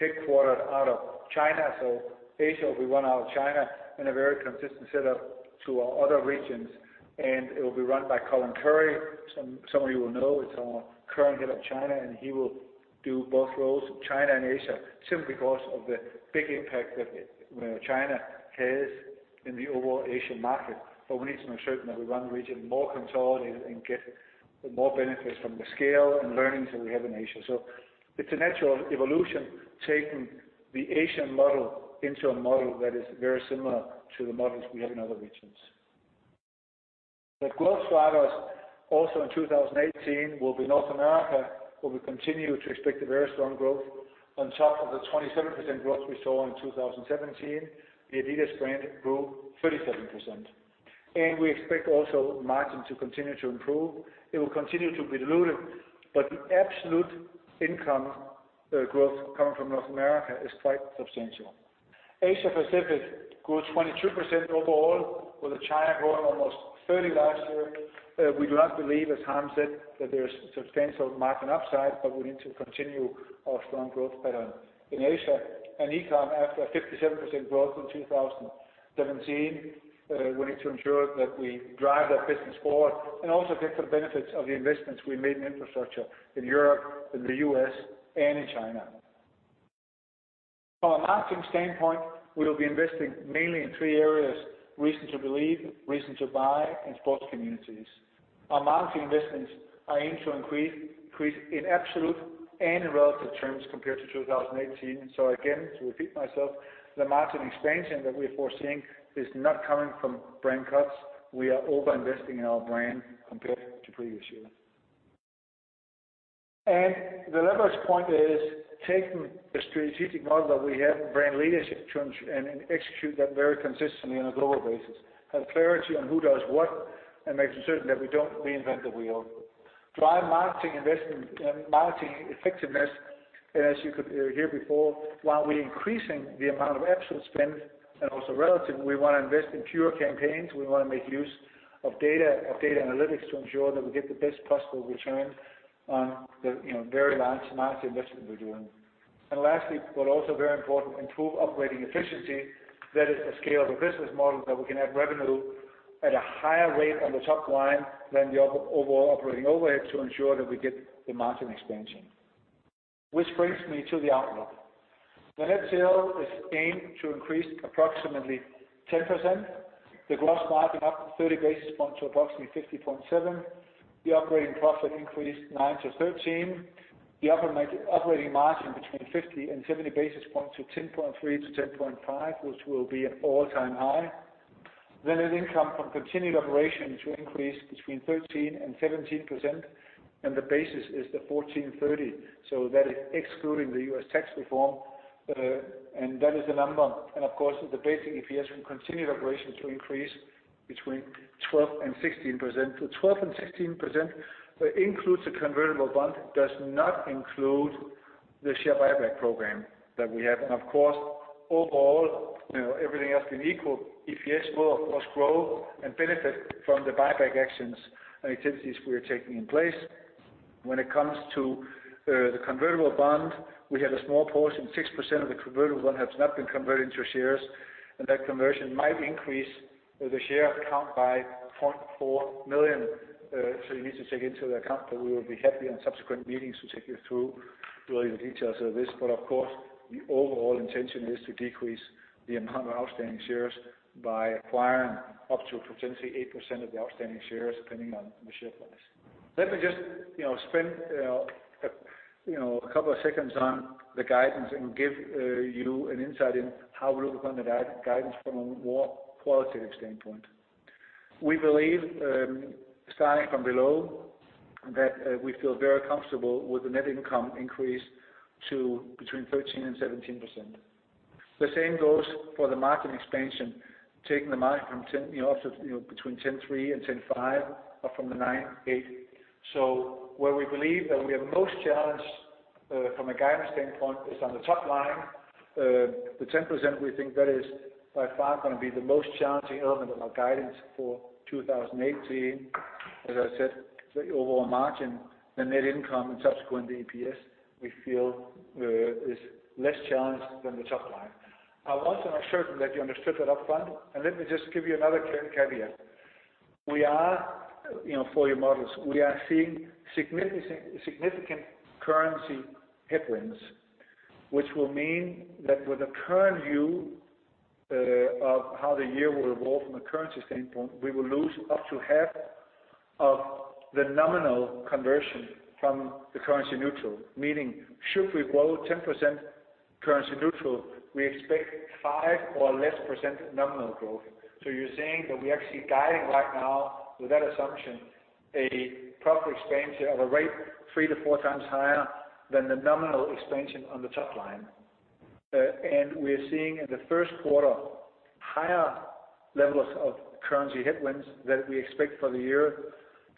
headquartered out of China. Asia will be run out of China in a very consistent set up to our other regions, and it will be run by Colin Currie. Some of you will know, is our current head of China, and he will do both roles in China and Asia simply because of the big impact that China has in the overall Asian market. We need to make certain that we run the region more consolidated and get more benefits from the scale and learnings that we have in Asia. It's a natural evolution, taking the Asian model into a model that is very similar to the models we have in other regions. The growth drivers also in 2018 will be North America, where we continue to expect a very strong growth on top of the 27% growth we saw in 2017. The adidas brand grew 37%. We expect also margin to continue to improve. It will continue to be dilutive, but the absolute income growth coming from North America is quite substantial. Asia Pacific grew 22% overall, with China growing almost 30% last year. We do not believe, as Harm said, that there is substantial margin upside, but we need to continue our strong growth pattern in Asia. e-com, after a 57% growth in 2017, we need to ensure that we drive that business forward and also get the benefits of the investments we made in infrastructure in Europe, in the U.S., and in China. From a marketing standpoint, we will be investing mainly in three areas: reason to believe, reason to buy, and sports communities. Our marketing investments are aimed to increase in absolute and in relative terms compared to 2018. Again, to repeat myself, the margin expansion that we're foreseeing is not coming from brand cuts. We are over-investing in our brand compared to previous years. The leverage point is taking the strategic model that we have in brand leadership and execute that very consistently on a global basis. Have clarity on who does what and making certain that we don't reinvent the wheel. Drive marketing effectiveness, and as you could hear before, while we're increasing the amount of absolute spend and also relative, we want to invest in pure campaigns. We want to make use of data analytics to ensure that we get the best possible return on the very large marketing investment we're doing. Lastly, but also very important, improve operating efficiency. The scale of the business model that we can have revenue at a higher rate on the top line than the overall operating overhead to ensure that we get the margin expansion. Which brings me to the outlook. The net sales is aimed to increase approximately 10%. The gross margin up 30 basis points to approximately 50.7%. The operating profit increased 9%-13%. The operating margin between 50 and 70 basis points to 10.3%-10.5%, which will be an all-time high. Net income from continued operations will increase between 13% and 17%, and the basis is the 14.30. So that is excluding the U.S. tax reform, and that is the number. Of course, the basic EPS from continued operations will increase between 12% and 16%. So 12% and 16% includes the convertible bond, does not include the share buyback program that we have. Of course, overall, everything else being equal, EPS will, of course, grow and benefit from the buyback actions and activities we are taking in place. When it comes to the convertible bond, we have a small portion, 6% of the convertible bond has not been converted into shares, and that conversion might increase the share count by 2.4 million. So you need to take into account that we will be happy on subsequent meetings to take you through really the details of this. But of course, the overall intention is to decrease the amount of outstanding shares by acquiring up to potentially 8% of the outstanding shares, depending on the share price. Let me just spend a couple of seconds on the guidance and give you an insight in how we look on the guidance from a more qualitative standpoint. We believe, starting from below, that we feel very comfortable with the net income increase to between 13% and 17%. The same goes for the margin expansion, taking the margin from between 10.3 and 10.5, up from the 9.8. Where we believe that we are most challenged, from a guidance standpoint, is on the top line. The 10%, we think that is by far going to be the most challenging element of our guidance for 2018. As I said, the overall margin, the net income, and subsequently EPS, we feel is less challenged than the top line. I want to make certain that you understood that up front, and let me just give you another caveat. For your models, we are seeing significant currency headwinds, which will mean that with the current view of how the year will evolve from a currency standpoint, we will lose up to half of the nominal conversion from the currency neutral. Meaning, should we grow 10% currency neutral, we expect 5% or less nominal growth. You're saying that we are actually guiding right now with that assumption, a profit expansion of a rate three to four times higher than the nominal expansion on the top line. We are seeing in the first quarter, higher levels of currency headwinds than we expect for the year.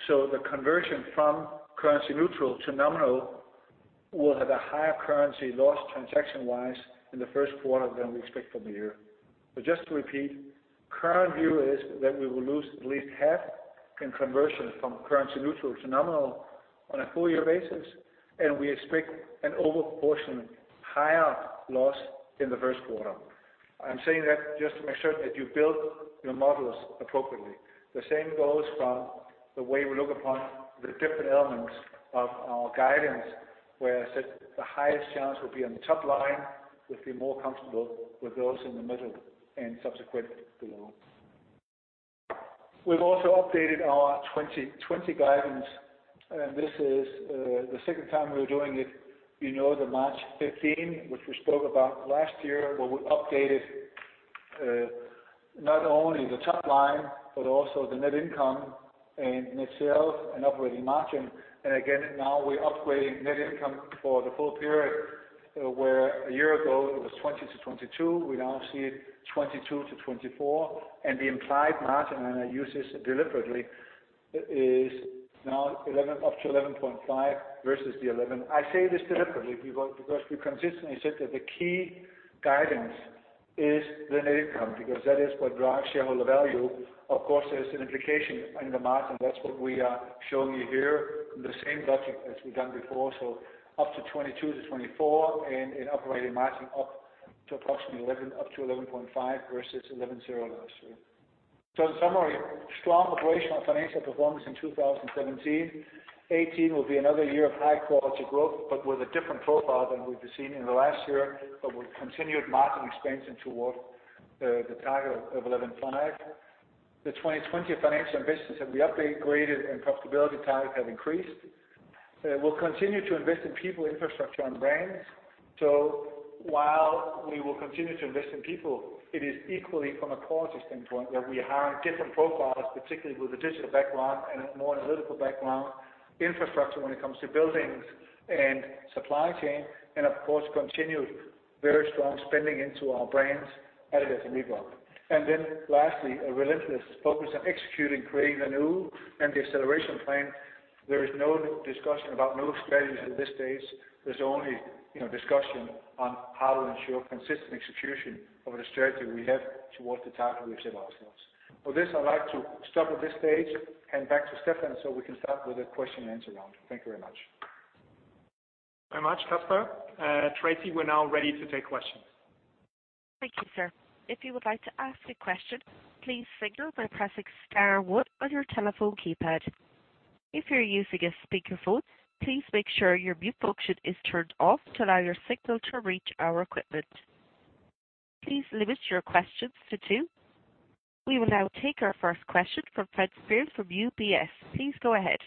The conversion from currency neutral to nominal will have a higher currency loss transaction-wise in the first quarter than we expect for the year. Just to repeat, current view is that we will lose at least half in conversion from currency neutral to nominal on a full year basis, and we expect an over-proportion, higher loss in the first quarter. I'm saying that just to make sure that you build your models appropriately. The same goes from the way we look upon the different elements of our guidance, where I said the highest challenge will be on the top line. We feel more comfortable with those in the middle and subsequent below. We've also updated our 2020 guidance, and this is the second time we're doing it. You know, the March 15, which we spoke about last year, where we updated not only the top line, but also the net income and net sales and operating margin. Again, now we're upgrading net income for the full period, where a year ago it was 20 to 22, we now see it 22 to 24. The implied margin, and I use this deliberately, is now up to 11.5 versus the 11. I say this deliberately because we consistently said that the key guidance is the net income, because that is what drives shareholder value. Of course, there's an implication in the margin. That's what we are showing you here in the same logic as we've done before. Up to 22 to 24 and operating margin up to approximately 11, up to 11.5 versus 11.0 last year. In summary, strong operational financial performance in 2017. 2018 will be another year of high quality growth, but with a different profile than we've seen in the last year, but with continued margin expansion toward the target of 11.5. The 2020 financial ambitions have been upgraded and profitability targets have increased. We'll continue to invest in people, infrastructure, and brands. While we will continue to invest in people, it is equally from a quality standpoint that we hire different profiles, particularly with a digital background and a more analytical background, infrastructure when it comes to buildings and supply chain, and of course, continued very strong spending into our brands, adidas and Reebok. Lastly, a relentless focus on executing Creating the New and the acceleration plan. There is no discussion about new strategies at this stage. There's only discussion on how to ensure consistent execution of the strategy we have towards the target we've set ourselves. For this, I'd like to stop at this stage, hand back to Sebastian Steffen so we can start with the question and answer round. Thank you very much. Very much, Kasper. Tracy, we're now ready to take questions. Thank you, sir. If you would like to ask a question, please signal by pressing star one on your telephone keypad. If you're using a speakerphone, please make sure your mute function is turned off to allow your signal to reach our equipment. Please limit your questions to two. We will now take our first question from Fred Speirs from UBS. Please go ahead.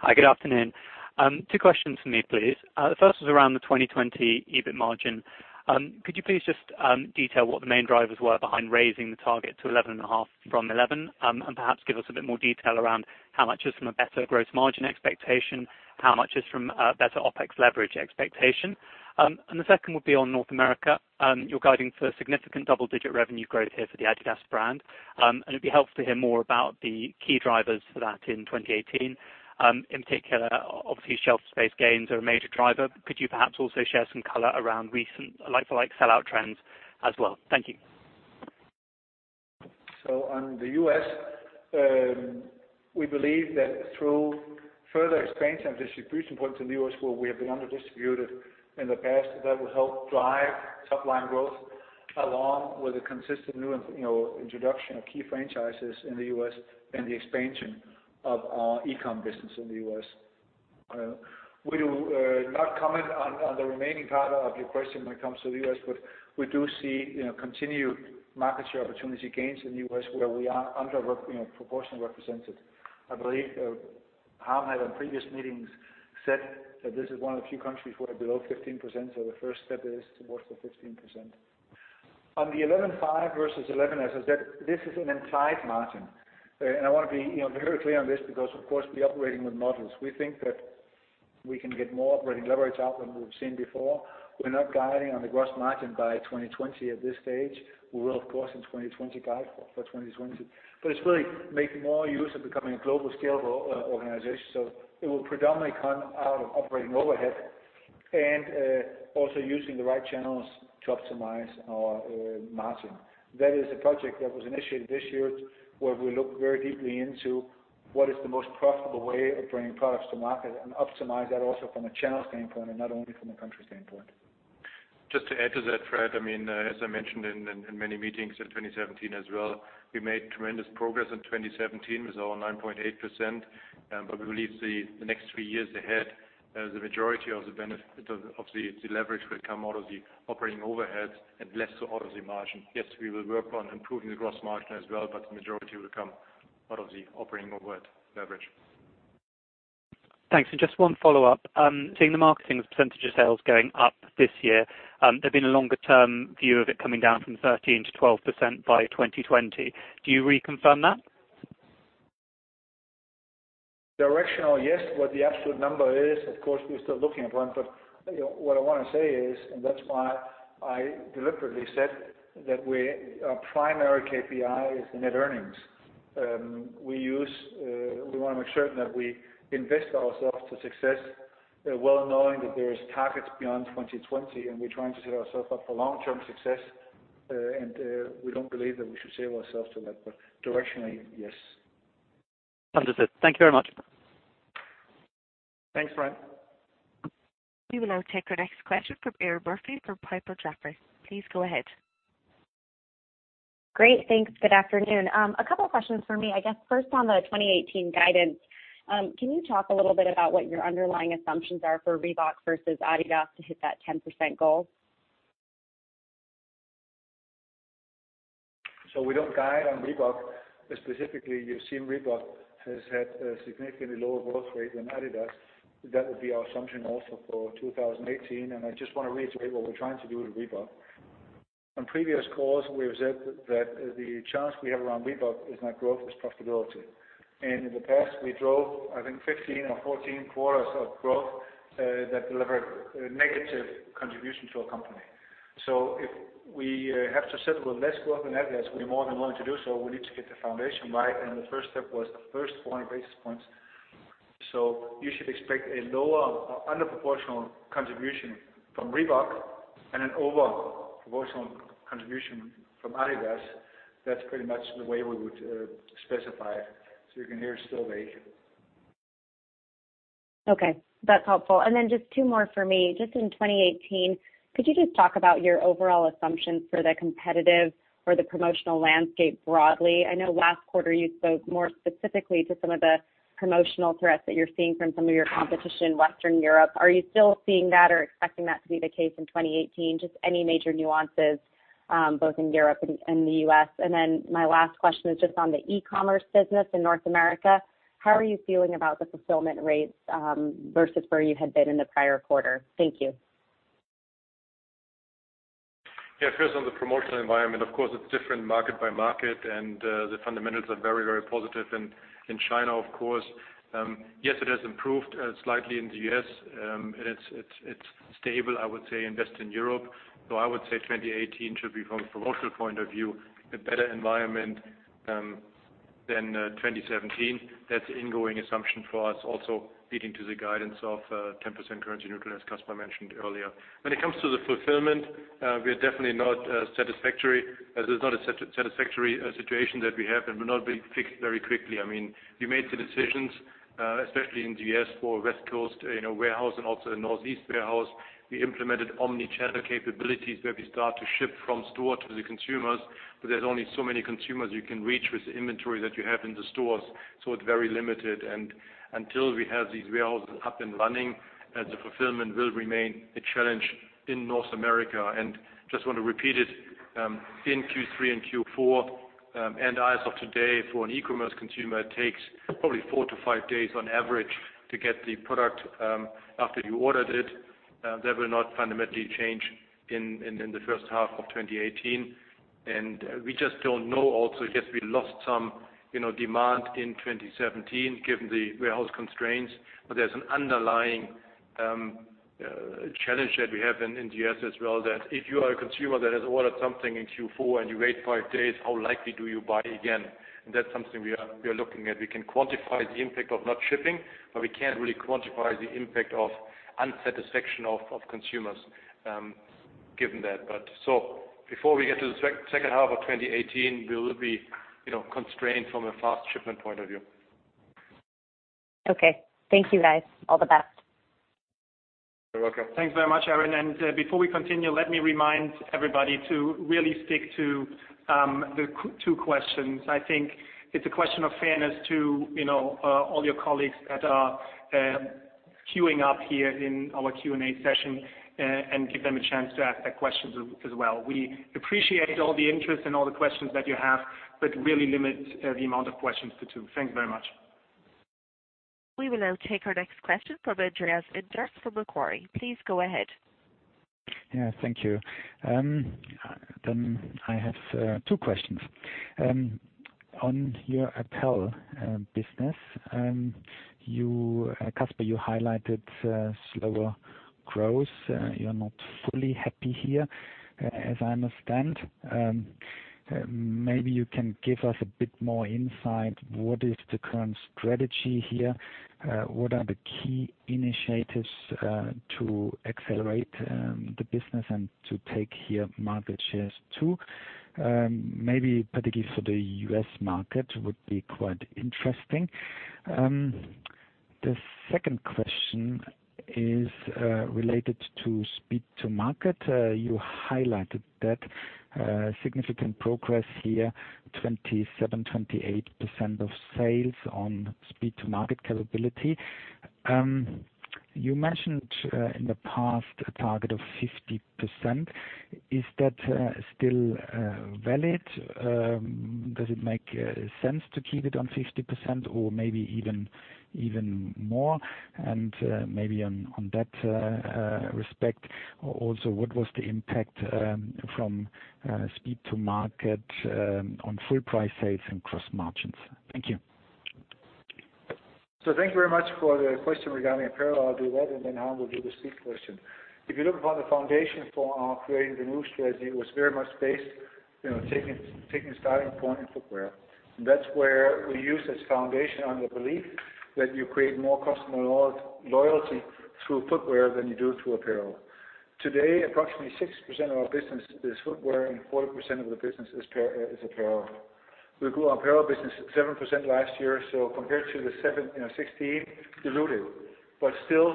Hi, good afternoon. Two questions from me, please. The first was around the 2020 EBIT margin. Could you please just detail what the main drivers were behind raising the target to 11.5% from 11%, and perhaps give us a bit more detail around how much is from a better gross margin expectation, how much is from better OpEx leverage expectation? The second would be on North America. You're guiding for significant double-digit revenue growth here for the adidas brand. It'd be helpful to hear more about the key drivers for that in 2018. In particular, obviously, shelf space gains are a major driver. Could you perhaps also share some color around recent like-for-like sellout trends as well? Thank you. On the U.S., we believe that through further expansion of distribution points in the U.S. where we have been under-distributed in the past, that will help drive top-line growth along with the consistent new introduction of key franchises in the U.S. and the expansion of our e-com business in the U.S. We will not comment on the remaining part of your question when it comes to the U.S., but we do see continued market share opportunity gains in the U.S. where we are under-proportionally represented. I believe Harm had on previous meetings said that this is one of the few countries where we're below 15%, so the first step is towards the 15%. On the 11.5% versus 11%, as I said, this is an entire margin. I want to be very clear on this because of course, we're operating with models. We think that we can get more operating leverage out than we've seen before. We're not guiding on the gross margin by 2020 at this stage. We will, of course, in 2020 guide for 2020. It's really making more use of becoming a global scalable organization. It will predominantly come out of operating overhead and also using the right channels to optimize our margin. That is a project that was initiated this year where we look very deeply into what is the most profitable way of bringing products to market and optimize that also from a channel standpoint and not only from a country standpoint. Just to add to that, Fred, as I mentioned in many meetings in 2017 as well, we made tremendous progress in 2017 with our 9.8%, we believe the next three years ahead, the majority of the leverage will come out of the operating overheads and less so out of the margin. Yes, we will work on improving the gross margin as well, the majority will come out of the operating overhead leverage. Thanks. Just one follow-up. Seeing the marketing as a percentage of sales going up this year, there's been a longer-term view of it coming down from 13% to 12% by 2020. Do you reconfirm that? Directional, yes. What the absolute number is, of course, we're still looking at one, but what I want to say is, that's why I deliberately said that our primary KPI is the net earnings. We want to make certain that we invest ourselves to success well knowing that there is targets beyond 2020, we're trying to set ourselves up for long-term success. We don't believe that we should save ourselves to that, directionally, yes. Understood. Thank you very much. Thanks, Fred. We will now take our next question from Erinn Murphy from Piper Jaffray. Please go ahead. Great. Thanks. Good afternoon. A couple questions for me. I guess first on the 2018 guidance, can you talk a little bit about what your underlying assumptions are for Reebok versus adidas to hit that 10% goal? We don't guide on Reebok specifically. You've seen Reebok has had a significantly lower growth rate than adidas. That would be our assumption also for 2018, I just want to reiterate what we're trying to do with Reebok. On previous calls, we have said that the challenge we have around Reebok is not growth, it's profitability. In the past, we drove I think 15 or 14 quarters of growth that delivered negative contribution to our company. If we have to settle with less growth than adidas, we're more than willing to do so. We need to get the foundation right, and the first step was the first 400 basis points. You should expect a lower or under proportional contribution from Reebok and an over proportional contribution from adidas. That's pretty much the way we would specify it so you can hear it's still there. Okay, that's helpful. Just two more for me. Just in 2018, could you just talk about your overall assumptions for the competitive or the promotional landscape broadly? I know last quarter you spoke more specifically to some of the promotional threats that you're seeing from some of your competition in Western Europe. Are you still seeing that or expecting that to be the case in 2018? Just any major nuances Both in Europe and the U.S. My last question is just on the e-commerce business in North America. How are you feeling about the fulfillment rates versus where you had been in the prior quarter? Thank you. Yeah. First, on the promotional environment, of course, it's different market by market. The fundamentals are very positive in China, of course. Yes, it has improved slightly in the U.S. It's stable, I would say, in Western Europe. I would say 2018 should be, from a promotional point of view, a better environment than 2017. That's the ingoing assumption for us, also feeding to the guidance of 10% currency neutral, as Kasper mentioned earlier. When it comes to the fulfillment, we're definitely not satisfactory. This is not a satisfactory situation that we have, and will not be fixed very quickly. We made the decisions, especially in the U.S. for West Coast warehouse and also the Northeast warehouse. We implemented omni-channel capabilities where we start to ship from store to the consumers. There's only so many consumers you can reach with the inventory that you have in the stores, so it's very limited. Until we have these warehouses up and running, the fulfillment will remain a challenge in North America. Just want to repeat it, in Q3 and Q4, and as of today, for an e-commerce consumer, it takes probably four to five days on average to get the product after you ordered it. That will not fundamentally change in the first half of 2018. We just don't know also. Yes, we lost some demand in 2017, given the warehouse constraints. There's an underlying challenge that we have in the U.S. as well, that if you are a consumer that has ordered something in Q4 and you wait five days, how likely do you buy again? That's something we are looking at. We can quantify the impact of not shipping, but we can't really quantify the impact of unsatisfaction of consumers given that. Before we get to the second half of 2018, we will be constrained from a fast shipment point of view. Okay. Thank you, guys. All the best. You're welcome. Thanks very much, Erinn. Before we continue, let me remind everybody to really stick to the two questions. I think it's a question of fairness to all your colleagues that are queuing up here in our Q&A session, give them a chance to ask their questions as well. We appreciate all the interest and all the questions that you have, really limit the amount of questions to two. Thanks very much. We will now take our next question from Andreas Inderst from Macquarie. Please go ahead. Thank you. I have two questions. On your apparel business, Kasper, you highlighted slower growth. You're not fully happy here, as I understand. Maybe you can give us a bit more insight. What is the current strategy here? What are the key initiatives to accelerate the business and to take market shares too? Maybe particularly for the U.S. market would be quite interesting. The second question is related to speed to market. You highlighted that significant progress here, 27%, 28% of sales on speed to market capability. You mentioned in the past a target of 50%. Is that still valid? Does it make sense to keep it on 50% or maybe even more? Maybe on that respect, also, what was the impact from speed to market on full price sales and gross margins? Thank you. Thank you very much for the question regarding apparel. I'll do that, then Harm will do the speed question. If you look upon the foundation for our Creating the New strategy, it was very much based, taking a starting point in footwear. That's where we use as foundation on the belief that you create more customer loyalty through footwear than you do through apparel. Today, approximately 6% of our business is footwear and 4% of the business is apparel. We grew our apparel business 7% last year, compared to the 16, diluted. Still,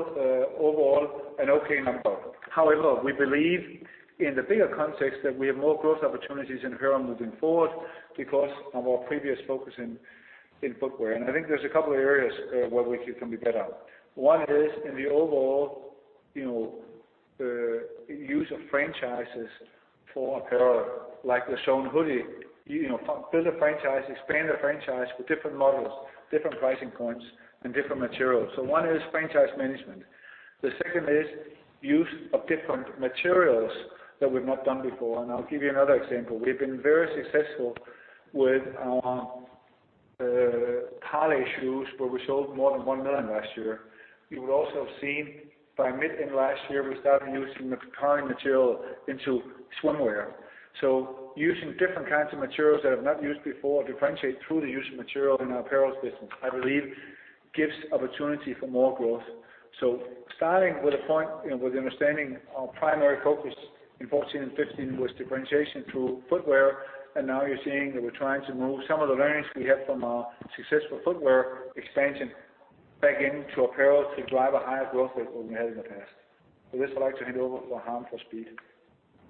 overall, an okay number. However, we believe in the bigger context that we have more growth opportunities in apparel moving forward because of our previous focus in footwear. I think there's a couple of areas where we can be better. One is in the overall use of franchises for apparel, like the Z.N.E. hoodie. Build a franchise, expand the franchise with different models, different pricing points, and different materials. One is franchise management. The second is use of different materials that we've not done before, and I'll give you another example. We've been very successful with the (Cali) shoes, where we sold more than 1 million last year. You would also have seen by mid in last year, we started using the (Cali) material into swimwear. Using different kinds of materials that I've not used before, differentiate through the use of material in our apparels business, I believe gives opportunity for more growth. Starting with a point, with the understanding our primary focus in 2014 and 2015 was differentiation through footwear, and now you're seeing that we're trying to move some of the learnings we had from our successful footwear expansion back into apparel to drive a higher growth rate than we had in the past. With this, I'd like to hand over to Harm for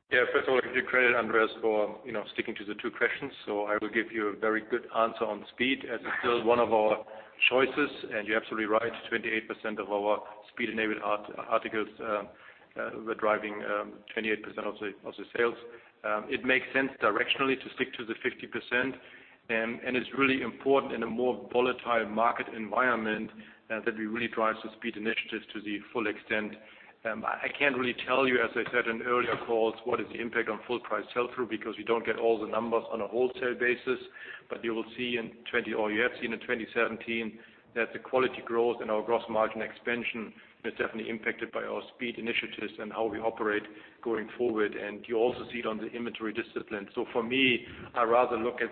speed. First of all, give you credit, Andreas, for sticking to the two questions. I will give you a very good answer on speed, as it's still one of our Choices, and you're absolutely right, 28% of our speed-enabled articles were driving 28% of the sales. It makes sense directionally to stick to the 50%, and it's really important in a more volatile market environment that we really drive the speed initiatives to the full extent. I can't really tell you, as I said in earlier calls, what is the impact on full price sell-through because we don't get all the numbers on a wholesale basis. You will see in '20, or you have seen in 2017, that the quality growth and our gross margin expansion is definitely impacted by our speed initiatives and how we operate going forward. You also see it on the inventory discipline. For me, I'd rather look at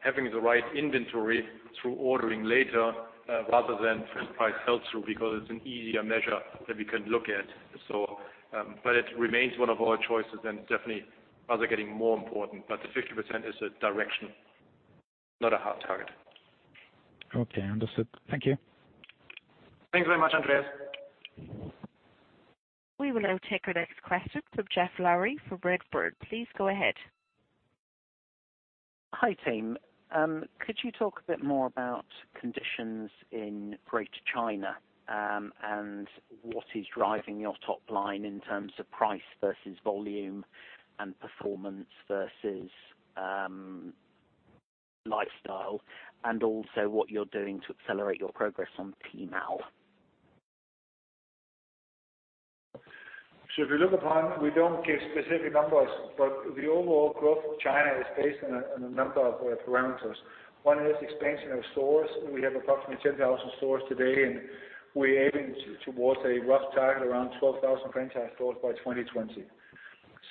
having the right inventory through ordering later, rather than full price sell-through, because it's an easier measure that we can look at. It remains one of our choices and it's definitely rather getting more important. The 50% is a direction, not a hard target. Okay, understood. Thank you. Thanks very much, Andreas. We will now take our next question from Geoff Lowery for Redburn. Please go ahead. Hi, team. Could you talk a bit more about conditions in Greater China, and what is driving your top line in terms of price versus volume and performance versus lifestyle, and also what you're doing to accelerate your progress on? *inaudible* If you look upon, we don't give specific numbers, but the overall growth of China is based on a number of parameters. One is expansion of stores. We have approximately 10,000 stores today, and we're aiming towards a rough target around 12,000 franchise stores by 2020.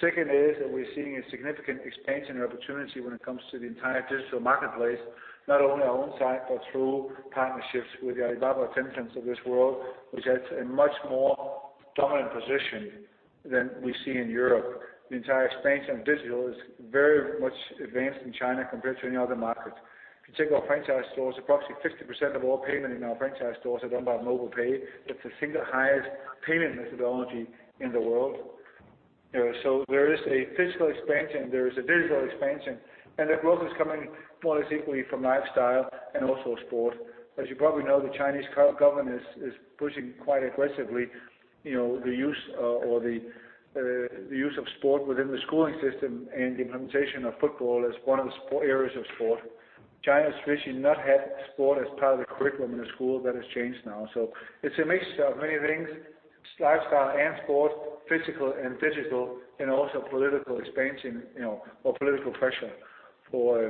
Second is that we're seeing a significant expansion opportunity when it comes to the entire digital marketplace, not only our own site, but through partnerships with the Alibaba Tencent of this world, which has a much more dominant position than we see in Europe. The entire expansion of digital is very much advanced in China compared to any other market. If you take our franchise stores, approximately 50% of all payment in our franchise stores are done by mobile pay. It's the single highest payment methodology in the world. There is a physical expansion, there is a digital expansion, and the growth is coming more or less equally from lifestyle and also sport. As you probably know, the Chinese government is pushing quite aggressively the use of sport within the schooling system and the implementation of football as one of the areas of sport. China has traditionally not had sport as part of the curriculum in the school. That has changed now. It's a mixture of many things, lifestyle and sport, physical and digital, and also political expansion, or political pressure for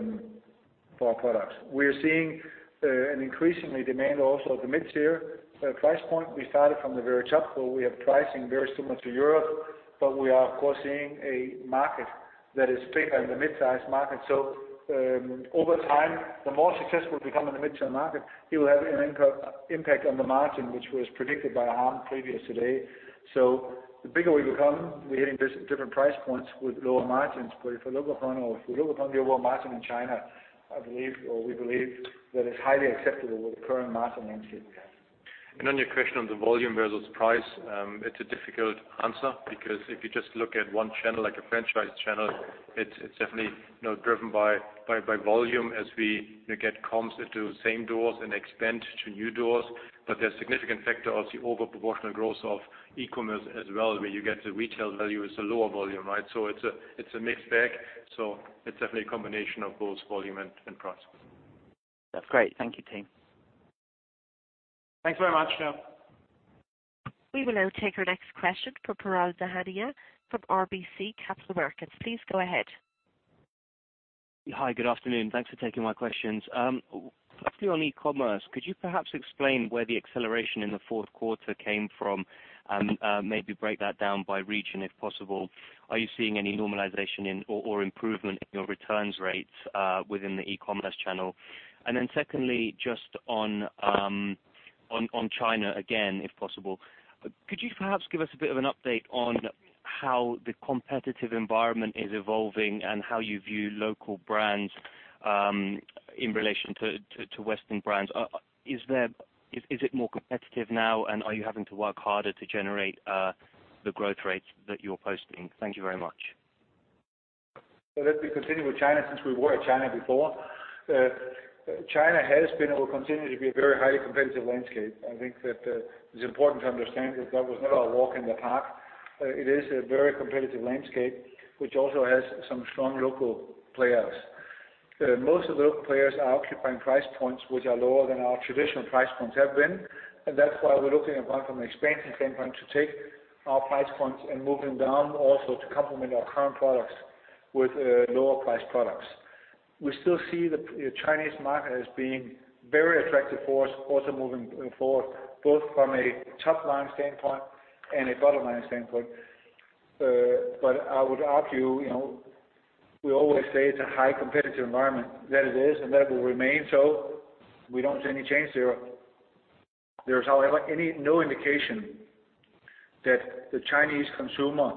our products. We're seeing an increasingly demand also at the mid-tier price point. We started from the very top, so we have pricing very similar to Europe, but we are, of course, seeing a market that is bigger in the mid-size market. Over time, the more successful we become in the mid-tier market, it will have an impact on the margin, which was predicted by Harm previous today. The bigger we become, we are hitting different price points with lower margins. If you look upon the overall margin in China, we believe that it is highly acceptable with the current margin landscape we have. On your question on the volume versus price, it is a difficult answer because if you just look at one channel like a franchise channel, it is definitely driven by volume as we get (comms) into same doors and expand to new doors. There is a significant factor of the overproportional growth of e-commerce as well, where you get the retail value is a lower volume, right? It is a mixed bag. It is definitely a combination of both volume and price. That is great. Thank you, team. Thanks very much. We will now take our next question from Piral Dadhania from RBC Capital Markets. Please go ahead. Hi, good afternoon. Thanks for taking my questions. Quickly on e-commerce, could you perhaps explain where the acceleration in the fourth quarter came from, and maybe break that down by region, if possible? Are you seeing any normalization or improvement in your returns rates within the e-commerce channel? Secondly, just on China, again, if possible, could you perhaps give us a bit of an update on how the competitive environment is evolving and how you view local brands, in relation to Western brands? Is it more competitive now, and are you having to work harder to generate the growth rates that you're posting? Thank you very much. Let me continue with China since we were at China before. China has been and will continue to be a very highly competitive landscape. I think that it's important to understand that that was never a walk in the park. It is a very competitive landscape, which also has some strong local players. Most of the local players are occupying price points which are lower than our traditional price points have been, and that's why we're looking at one from an expansion standpoint to take our price points and move them down, also to complement our current products with lower price products. We still see the Chinese market as being very attractive for us, also moving forward, both from a top-line standpoint and a bottom-line standpoint. I would argue, we always say it's a high competitive environment. That it is, and that will remain so. We don't see any change there. There is, however, no indication that the Chinese consumer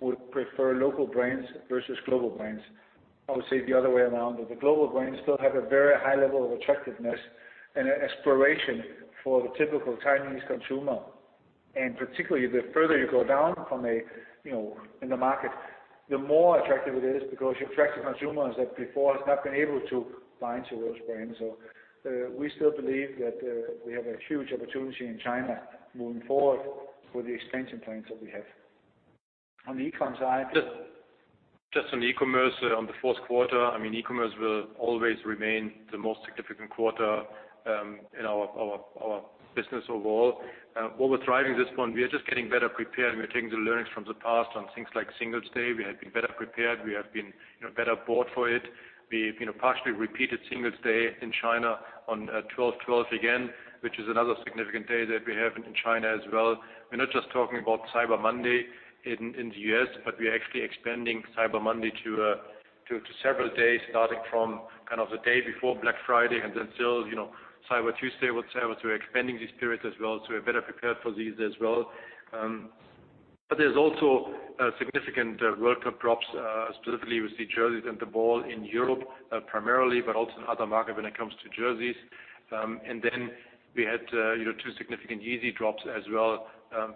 would prefer local brands versus global brands. I would say the other way around, that the global brands still have a very high level of attractiveness and aspiration for the typical Chinese consumer. Particularly, the further you go down in the market, the more attractive it is because you attract the consumers that before have not been able to buy into those brands. We still believe that we have a huge opportunity in China moving forward with the expansion plans that we have. On the e-com side- Just on the e-commerce on the fourth quarter, e-commerce will always remain the most significant quarter in our business overall. What we're driving this one, we are just getting better prepared, and we're taking the learnings from the past on things like Singles' Day. We have been better prepared. We have been better bought for it. We've partially repeated Singles' Day in China on 12/12 again, which is another significant day that we have in China as well. We're not just talking about Cyber Monday in the U.S., but we are actually expanding Cyber Monday to several days starting from the day before Black Friday and until Cyber Tuesday, whatever, we're expanding this period as well. We're better prepared for these as well. There's also significant World Cup drops, specifically with the jerseys and the ball in Europe, primarily, but also in other markets when it comes to jerseys. We had 2 significant Yeezy drops as well,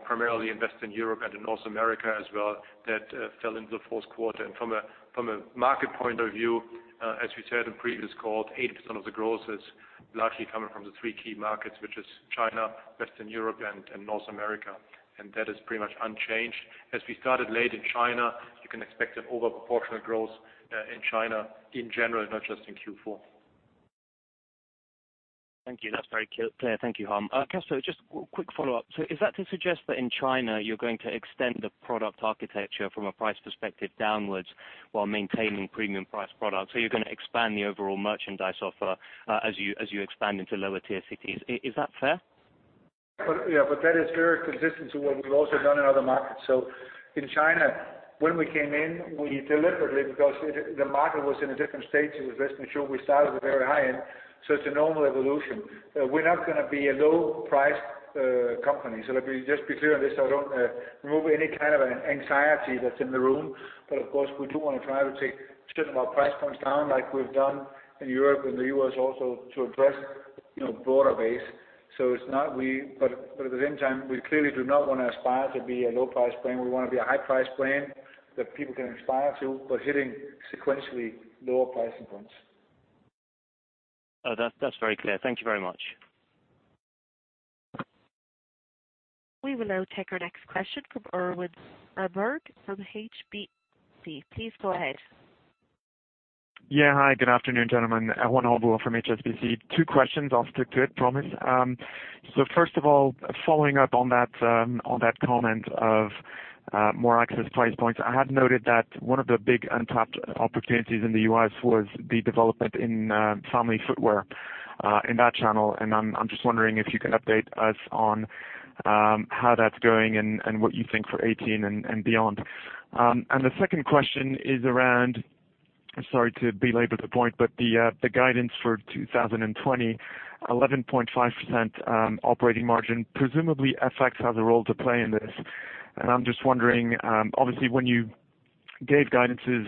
primarily in Western Europe and in North America as well, that fell into the fourth quarter. From a market point of view, as we said in previous calls, 80% of the growth is largely coming from the 3 key markets, which is China, Western Europe, and North America, and that is pretty much unchanged. As we started late in China, you can expect an overproportional growth in China in general, not just in Q4. Thank you. That's very clear. Thank you, Harm. Kasper, just quick follow-up. Is that to suggest that in China, you're going to extend the product architecture from a price perspective downwards while maintaining premium price products? You're going to expand the overall merchandise offer as you expand into lower tier cities. Is that fair? Yeah, that is very consistent to what we've also done in other markets. In China, when we came in, we deliberately, because the market was in a different stage, it was less mature, we started at the very high end, it's a normal evolution. We're not going to be a low price company. Let me just be clear on this so I don't remove any kind of anxiety that's in the room. Of course, we do want to try to take certain of our price points down like we've done in Europe and the U.S. also to address broader base. At the same time, we clearly do not want to aspire to be a low price brand. We want to be a high price brand that people can aspire to, but hitting sequentially lower pricing points. Oh, that's very clear. Thank you very much. We will now take our next question from Erwan Rambourg from HSBC. Please go ahead. Yeah. Hi, good afternoon, gentlemen. Erwan Rambourg from HSBC. Two questions. I'll stick to it, promise. First of all, following up on that comment of more access price points, I had noted that one of the big untapped opportunities in the U.S. was the development in family footwear in that channel, and I'm just wondering if you could update us on how that's going and what you think for 2018 and beyond. The second question is around, sorry to belabor the point, but the guidance for 2020, 11.5% operating margin, presumably FX has a role to play in this, and I'm just wondering, obviously, when you gave guidances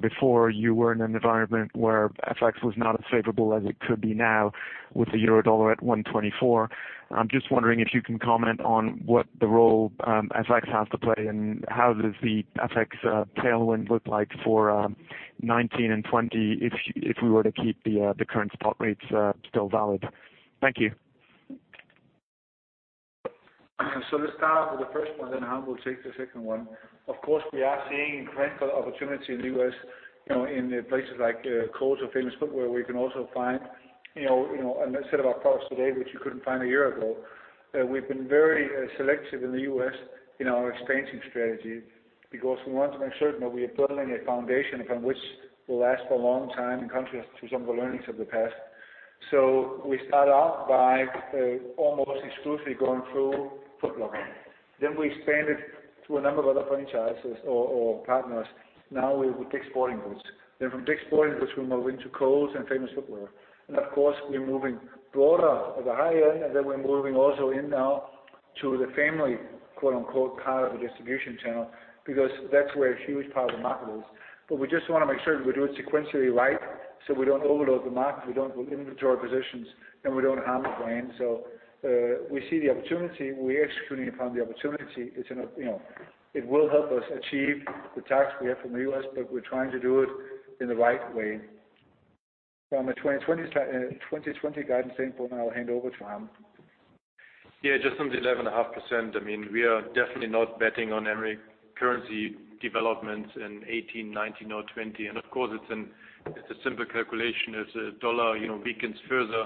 before, you were in an environment where FX was not as favorable as it could be now with the euro/dollar at 124. I'm just wondering if you can comment on what the role FX has to play, and how does the FX tailwind look like for 2019 and 2020 if we were to keep the current spot rates still valid? Thank you. Let's start off with the first one, Harm will take the second one. Of course, we are seeing incredible opportunity in the U.S. in places like Kohl's or Famous Footwear. We can also find a set of our products today, which you couldn't find a year ago. We've been very selective in the U.S. in our expansion strategy because we want to make certain that we are building a foundation upon which will last for a long time in contrast to some of the learnings of the past. We start off by almost exclusively going through Foot Locker. We expanded to a number of other franchises or partners. Now with DICK'S Sporting Goods. From DICK'S Sporting Goods, we move into Kohl's and Famous Footwear. Of course, we're moving broader at the high end, we're moving also in now to the family, quote-unquote, part of the distribution channel, because that's where a huge part of the market is. We just want to make sure we do it sequentially right so we don't overload the market, we don't build inventory positions, and we don't harm the brand. We see the opportunity. We're executing upon the opportunity. It will help us achieve the task we have from the U.S., but we're trying to do it in the right way. From a 2020 guidance standpoint, I'll hand over to Harm. Just on the 11.5%, we are definitely not betting on every currency development in 2018, 2019 or 2020. Of course, it's a simple calculation. As dollar weakens further,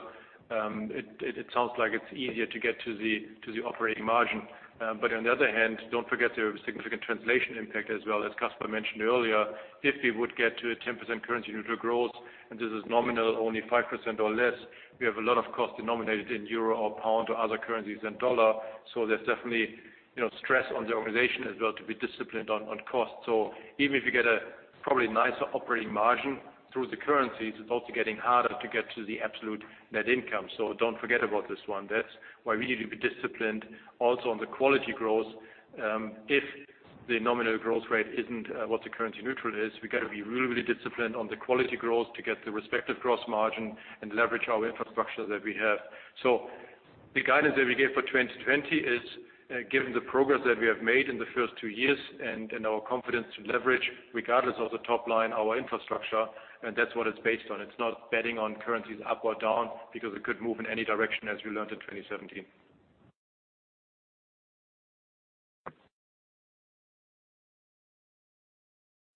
it sounds like it's easier to get to the operating margin. On the other hand, don't forget there is significant translation impact as well. As Kasper Rørsted mentioned earlier, if we would get to 10% currency neutral growth, and this is nominal only 5% or less, we have a lot of costs denominated in EUR or pound or other currencies than dollar. There's definitely stress on the organization as well to be disciplined on cost. Even if you get a probably nicer operating margin through the currencies, it's also getting harder to get to the absolute net income. Don't forget about this one. That's why we need to be disciplined also on the quality growth. If the nominal growth rate isn't what the currency neutral is, we've got to be really disciplined on the quality growth to get the respective gross margin and leverage our infrastructure that we have. The guidance that we gave for 2020 is given the progress that we have made in the first two years and our confidence to leverage, regardless of the top line, our infrastructure, and that's what it's based on. It's not betting on currencies up or down because it could move in any direction, as we learned in 2017.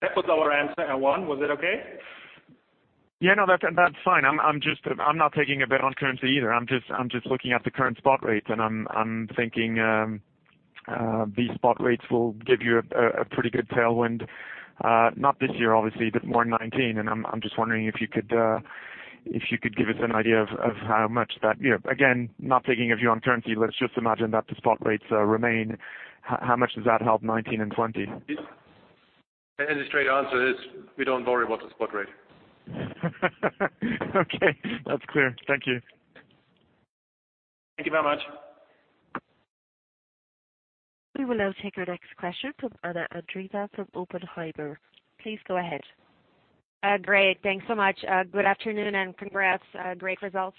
That was our answer, Erwan, was that okay? Yeah. No, that's fine. I'm not taking a bet on currency either. I'm just looking at the current spot rates. I'm thinking these spot rates will give you a pretty good tailwind. Not this year, obviously, but more in 2019. I'm just wondering if you could give us an idea of how much that, again, not taking a view on currency, let's just imagine that the spot rates remain. How much does that help 2019 and 2020? The straight answer is, we don't worry about the spot rate. Okay. That's clear. Thank you. Thank you very much. We will now take our next question from Anna Andreeva from Oppenheimer. Please go ahead. Great. Thanks so much. Good afternoon, and congrats. Great results.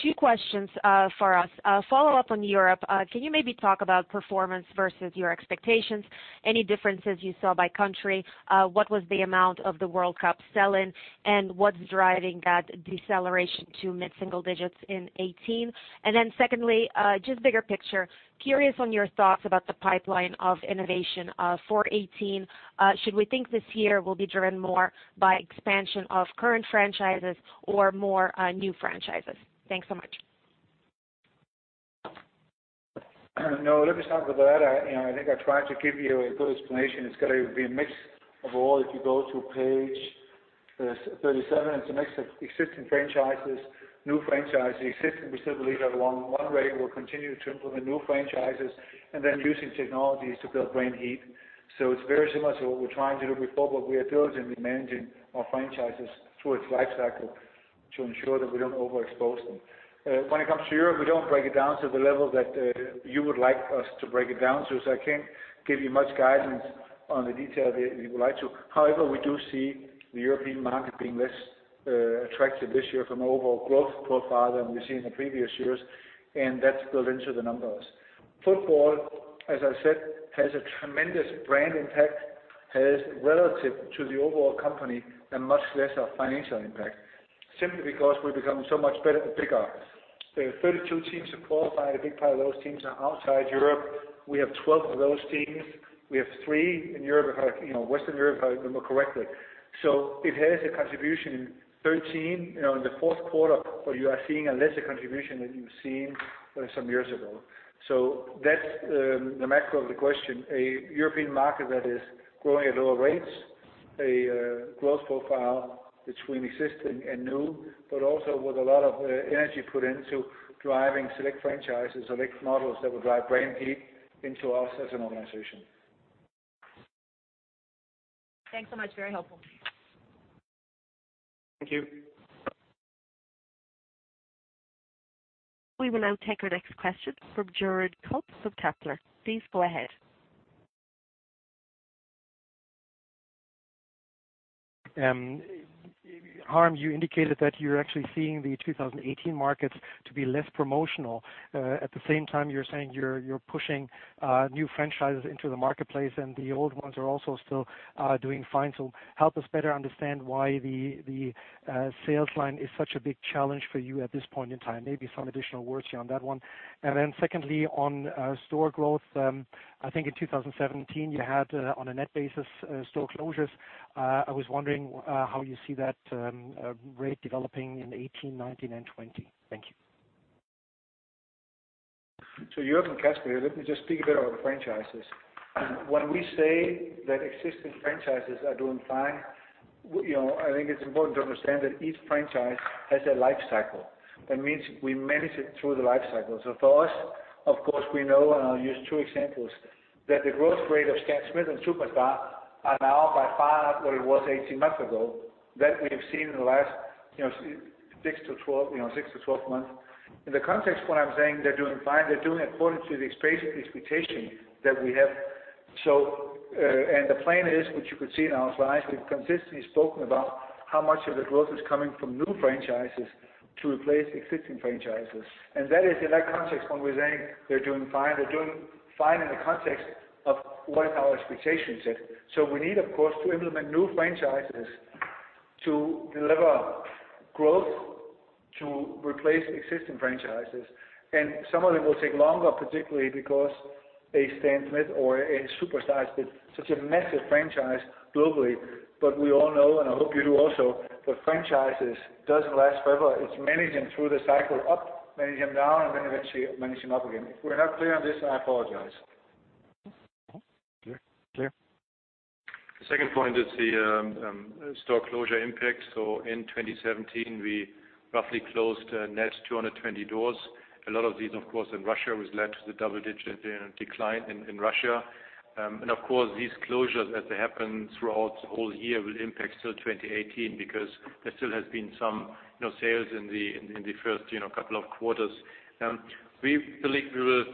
Two questions for us. A follow-up on Europe. Can you maybe talk about performance versus your expectations? Any differences you saw by country? What was the amount of the World Cup sell-in, and what's driving that deceleration to mid-single digits in 2018? Secondly, just bigger picture, curious on your thoughts about the pipeline of innovation for 2018. Should we think this year will be driven more by expansion of current franchises or more new franchises? Thanks so much. No, let me start with that. I think I tried to give you a good explanation. It's got to be a mix of all. If you go to page 37, it's a mix of existing franchises, new franchises. Existing, we still believe have a long way. We'll continue to implement new franchises and then using technologies to build brand heat. It's very similar to what we're trying to do with football. We are diligently managing our franchises through its life cycle to ensure that we don't overexpose them. When it comes to Europe, we don't break it down to the level that you would like us to break it down to. I can't give you much guidance on the detail that you would like to. However, we do see the European market being less attractive this year from an overall growth profile than we've seen in the previous years, and that's built into the numbers. football, as I said, has a tremendous brand impact, has relative to the overall company, a much lesser financial impact, simply because we're becoming so much better and bigger. There are 32 teams that qualify. A big part of those teams are outside Europe. We have 12 of those teams. We have three in Western Europe, if I remember correctly. It has a contribution in 2017. In the fourth quarter, you are seeing a lesser contribution than you've seen some years ago. That's the macro of the question. A European market that is growing at lower rates, a growth profile between existing and new, but also with a lot of energy put into driving select franchises, select models that will drive brand heat into us as an organization. Thanks so much. Very helpful. Thank you. We will now take our next question from John Kernan of Cowen. Please go ahead. Harm, you indicated that you're actually seeing the 2018 markets to be less promotional. At the same time, you're saying you're pushing new franchises into the marketplace, and the old ones are also still doing fine. Help us better understand why the sales line is such a big challenge for you at this point in time. Maybe some additional words here on that one. And then secondly, on store growth, I think in 2017, you had, on a net basis, store closures. I was wondering how you see that rate developing in 2018, 2019, and 2020. Thank you. You open, Kasper. Here, let me just speak a bit about the franchises. When we say that existing franchises are doing fine, I think it's important to understand that each franchise has a life cycle. That means we manage it through the life cycle. For us, of course, we know, and I'll use two examples, that the growth rate of Stan Smith and Superstar are now by far not what it was 18 months ago that we have seen in the last 6 to 12 months. In the context, when I'm saying they're doing fine, they're doing according to the basic expectation that we have. The plan is, which you could see in our slides, we've consistently spoken about how much of the growth is coming from new franchises to replace existing franchises. That is in that context when we're saying they're doing fine, they're doing fine in the context of what our expectation said. We need, of course, to implement new franchises to deliver growth to replace existing franchises. Some of them will take longer, particularly because a Stan Smith or a Superstar is such a massive franchise globally. We all know, and I hope you do also, that franchises doesn't last forever. It's managing through the cycle up, managing down, and then eventually managing up again. If we're not clear on this, I apologize. Clear. The second point is the store closure impact. In 2017, we roughly closed a net 220 doors. A lot of these, of course, in Russia, which led to the double-digit decline in Russia. Of course, these closures, as they happen throughout the whole year, will impact still 2018 because there still has been some sales in the first couple of quarters. We believe we will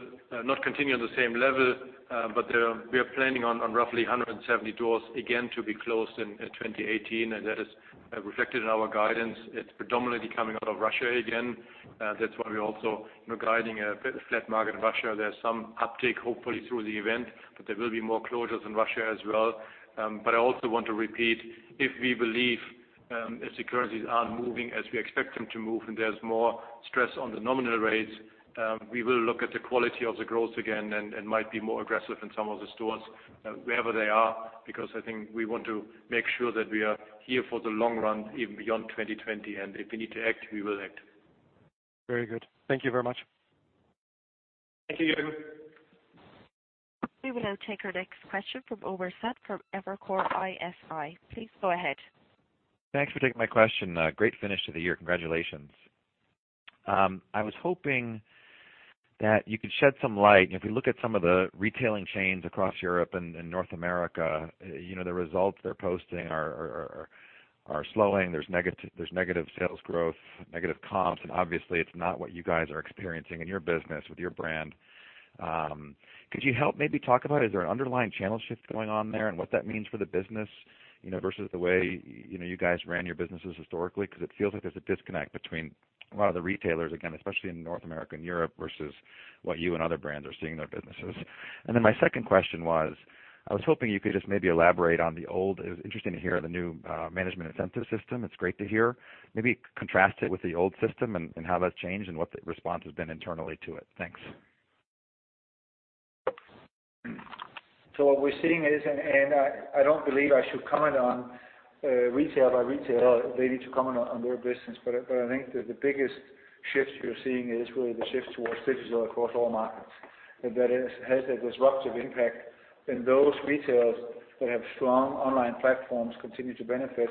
not continue on the same level, but we are planning on roughly 170 doors again to be closed in 2018, and that is reflected in our guidance. It's predominantly coming out of Russia again. That's why we're also guiding a bit of flat market in Russia. There's some uptick, hopefully, through the event, but there will be more closures in Russia as well. I also want to repeat, if we believe if the currencies aren't moving as we expect them to move, and there's more stress on the nominal rates, we will look at the quality of the growth again and might be more aggressive in some of the stores, wherever they are, because I think we want to make sure that we are here for the long run, even beyond 2020. If we need to act, we will act. Very good. Thank you very much. Thank you, John. We will now take our next question from Omar Saad from Evercore ISI. Please go ahead. Thanks for taking my question. Great finish to the year. Congratulations. I was hoping that you could shed some light. If you look at some of the retailing chains across Europe and North America, the results they're posting are slowing. There's negative sales growth, negative comps. Obviously, it's not what you guys are experiencing in your business with your brand. Could you help maybe talk about, is there an underlying channel shift going on there and what that means for the business versus the way you guys ran your businesses historically? Because it feels like there's a disconnect between a lot of the retailers, again, especially in North America and Europe versus what you and other brands are seeing in their businesses. My second question was, I was hoping you could just maybe elaborate on the old. It was interesting to hear the new management incentive system. It's great to hear. Maybe contrast it with the old system and how that's changed and what the response has been internally to it. Thanks. What we're seeing is, I don't believe I should comment on retail by retail. They need to comment on their business. I think that the biggest shift you're seeing is really the shift towards digital across all markets. That has a disruptive impact, and those retailers that have strong online platforms continue to benefit.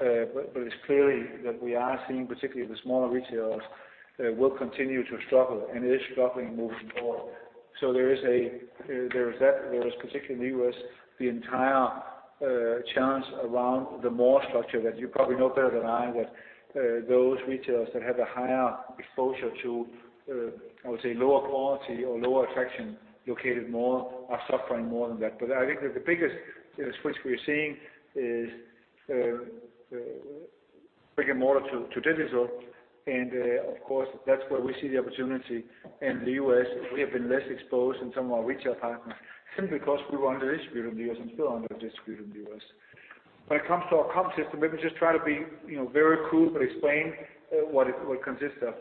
It's clearly that we are seeing, particularly the smaller retailers, will continue to struggle and is struggling moving forward. There is that. There is particularly in the U.S., the entire challenge around the mall structure that you probably know better than I, that those retailers that have a higher exposure to, I would say, lower quality or lower attraction located malls are suffering more than that. I think that the biggest switch we're seeing is brick-and-mortar to digital, and of course, that's where we see the opportunity in the U.S. We have been less exposed than some of our retail partners simply because we were under distributed in the U.S. and still under distributed in the U.S. When it comes to our comp system, let me just try to be very crude, but explain what it will consist of.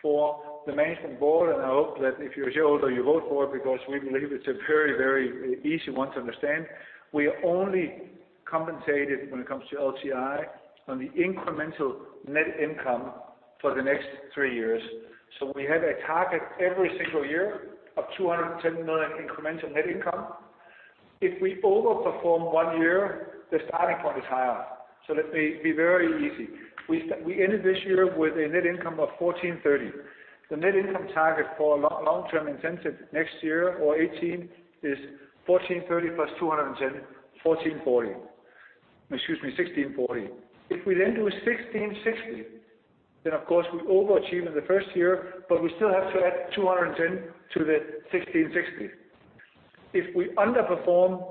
For the management board, I hope that if you're a shareholder, you vote for it because we believe it's a very, very easy one to understand. We are only compensated when it comes to LTI on the incremental net income for the next three years. We have a target every single year of 210 million incremental net income. If we overperform one year, the starting point is higher. Let me be very easy. We ended this year with a net income of 1,430. The net income target for long-term incentive next year or 2018 is 1,430 plus 210, 1,640. If we do 1,660, then of course, we overachieve in the first year, but we still have to add 210 to the 1,660. If we underperform,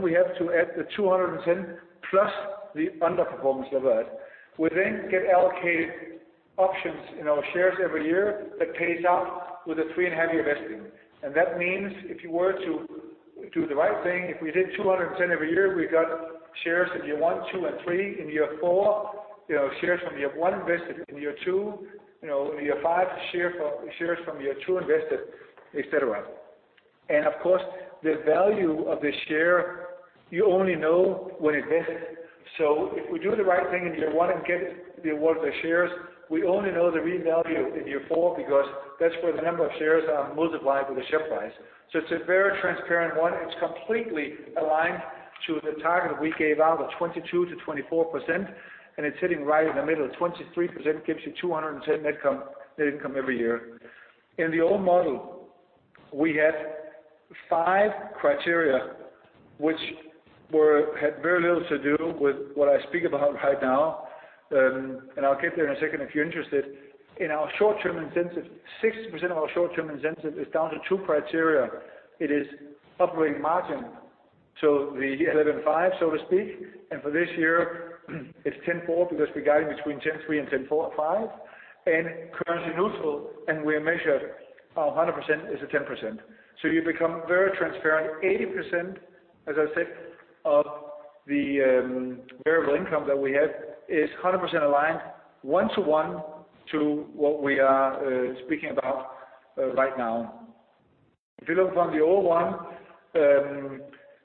we have to add the 210 plus the underperformance of that. We then get allocated options in our shares every year that pays out with a 3.5-year vesting. That means if you were to do the right thing, if we did 210 every year, we got shares in year one, two, and three. In year four, shares from year one vested. In year two, in year five, shares from year two vested, etc. Of course, the value of the share, you only know when it vests. If we do the right thing in year one and get the award of the shares, we only know the real value in year four because that's where the number of shares are multiplied with the share price. It's a very transparent one. It's completely aligned to the target we gave out of 22%-24%, and it's sitting right in the middle. 23% gives you 210 net income every year. In the old model, we had five criteria which had very little to do with what I speak about right now, and I'll get there in a second if you're interested. In our short-term incentive, 60% of our short-term incentive is down to two criteria. It is operating margin to the 11.5%, so to speak, and for this year it's 10.4% because we're guiding between 10.3% and 10.5%, and currency neutral, and we measure 100% is a 10%. You become very transparent. 80%, as I said, of the variable income that we have is 100% aligned one-to-one to what we are speaking about right now. You look on the old one,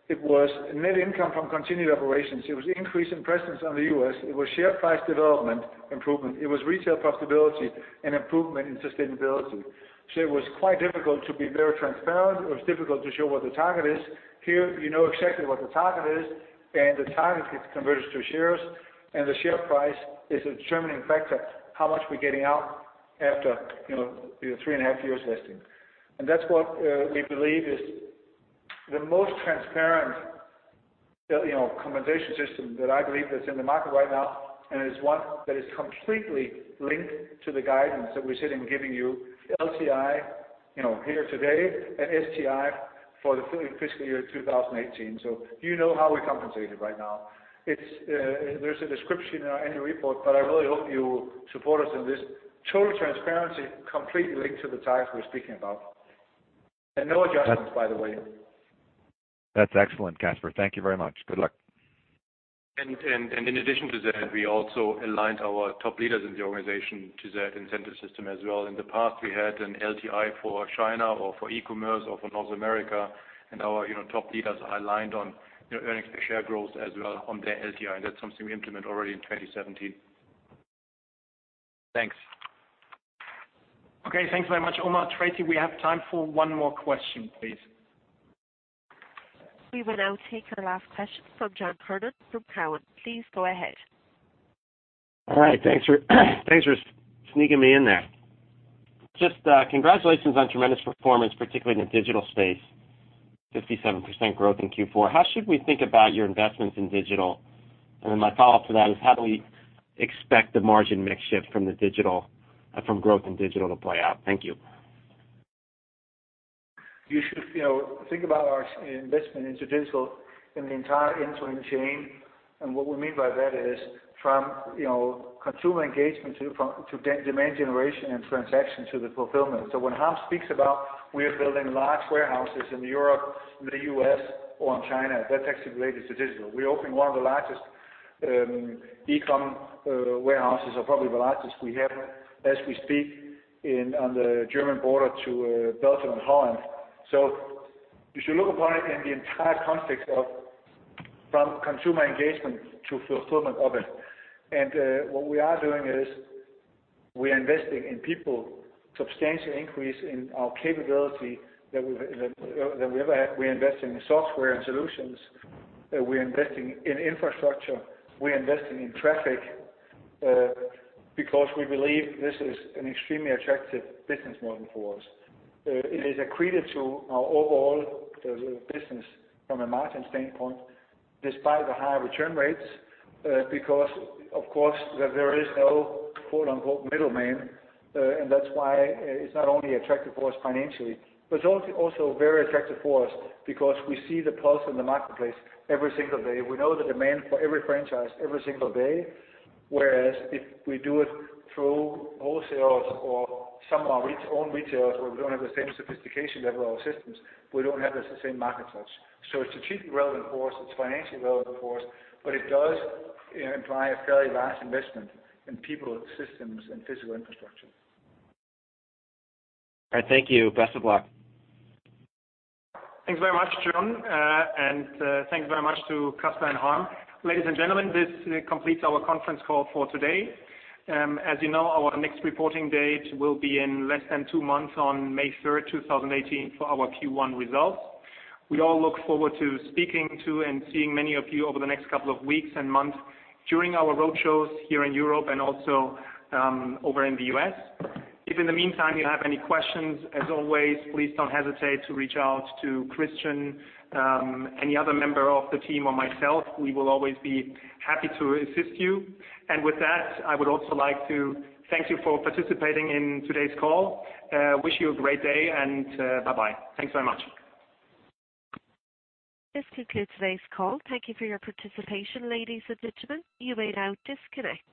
it was net income from continued operations. It was increase in presence on the U.S. It was share price development improvement. It was retail profitability and improvement in sustainability. It was quite difficult to be very transparent. It was difficult to show what the target is. Here, you know exactly what the target is, and the target gets converted to shares, and the share price is a determining factor how much we're getting out. After the 3.5 years listing. That's what we believe is the most transparent compensation system that I believe that's in the market right now, and is one that is completely linked to the guidance that we're sitting giving you, LTI, here today and STI for the fiscal year 2018. You know how we're compensated right now. There's a description in our annual report, but I really hope you support us in this. Total transparency, completely linked to the targets we're speaking about. No adjustments, by the way. That's excellent, Kasper. Thank you very much. Good luck. In addition to that, we also aligned our top leaders in the organization to that incentive system as well. In the past, we had an LTI for China or for e-commerce or for North America, and our top leaders are aligned on earnings per share growth as well on their LTI. That's something we implement already in 2017. Thanks. Okay, thanks very much, Omar. Tracy, we have time for one more question, please. We will now take our last question from John Kernan from Cowen. Please go ahead. All right, thanks for sneaking me in there. Just congratulations on tremendous performance, particularly in the digital space, 57% growth in Q4. How should we think about your investments in digital? My follow-up to that is, how do we expect the margin mix shift from growth in digital to play out? Thank you. You should think about our investment into digital in the entire end-to-end chain. What we mean by that is from consumer engagement to demand generation and transaction to the fulfillment. When Harm speaks about we are building large warehouses in Europe, in the U.S. or in China, that's actually related to digital. We're opening one of the largest e-com warehouses, or probably the largest we have, as we speak, on the German border to Belgium and Holland. You should look upon it in the entire context of from consumer engagement to fulfillment of it. What we are doing is we are investing in people, substantial increase in our capability than we ever had. We're investing in software and solutions. We're investing in infrastructure. We're investing in traffic, because we believe this is an extremely attractive business model for us. It is accretive to our overall business from a margin standpoint, despite the higher return rates, because, of course, there is no "middleman," and that's why it's not only attractive for us financially, but it's also very attractive for us because we see the pulse in the marketplace every single day. We know the demand for every franchise every single day. Whereas if we do it through wholesalers or some of our own retailers where we don't have the same sophistication level or systems, we don't have the same market touch. It's strategically relevant for us, it's financially relevant for us, but it does imply a fairly large investment in people, systems, and physical infrastructure. All right, thank you. Best of luck. Thanks very much, John. Thanks very much to Kasper and Harm. Ladies and gentlemen, this completes our conference call for today. As you know, our next reporting date will be in less than two months on May 3rd, 2018, for our Q1 results. We all look forward to speaking to and seeing many of you over the next couple of weeks and months during our roadshows here in Europe and also over in the U.S. If in the meantime you have any questions, as always, please don't hesitate to reach out to Christian, any other member of the team or myself. We will always be happy to assist you. With that, I would also like to thank you for participating in today's call. Wish you a great day and bye-bye. Thanks very much. This concludes today's call. Thank you for your participation, ladies and gentlemen. You may now disconnect.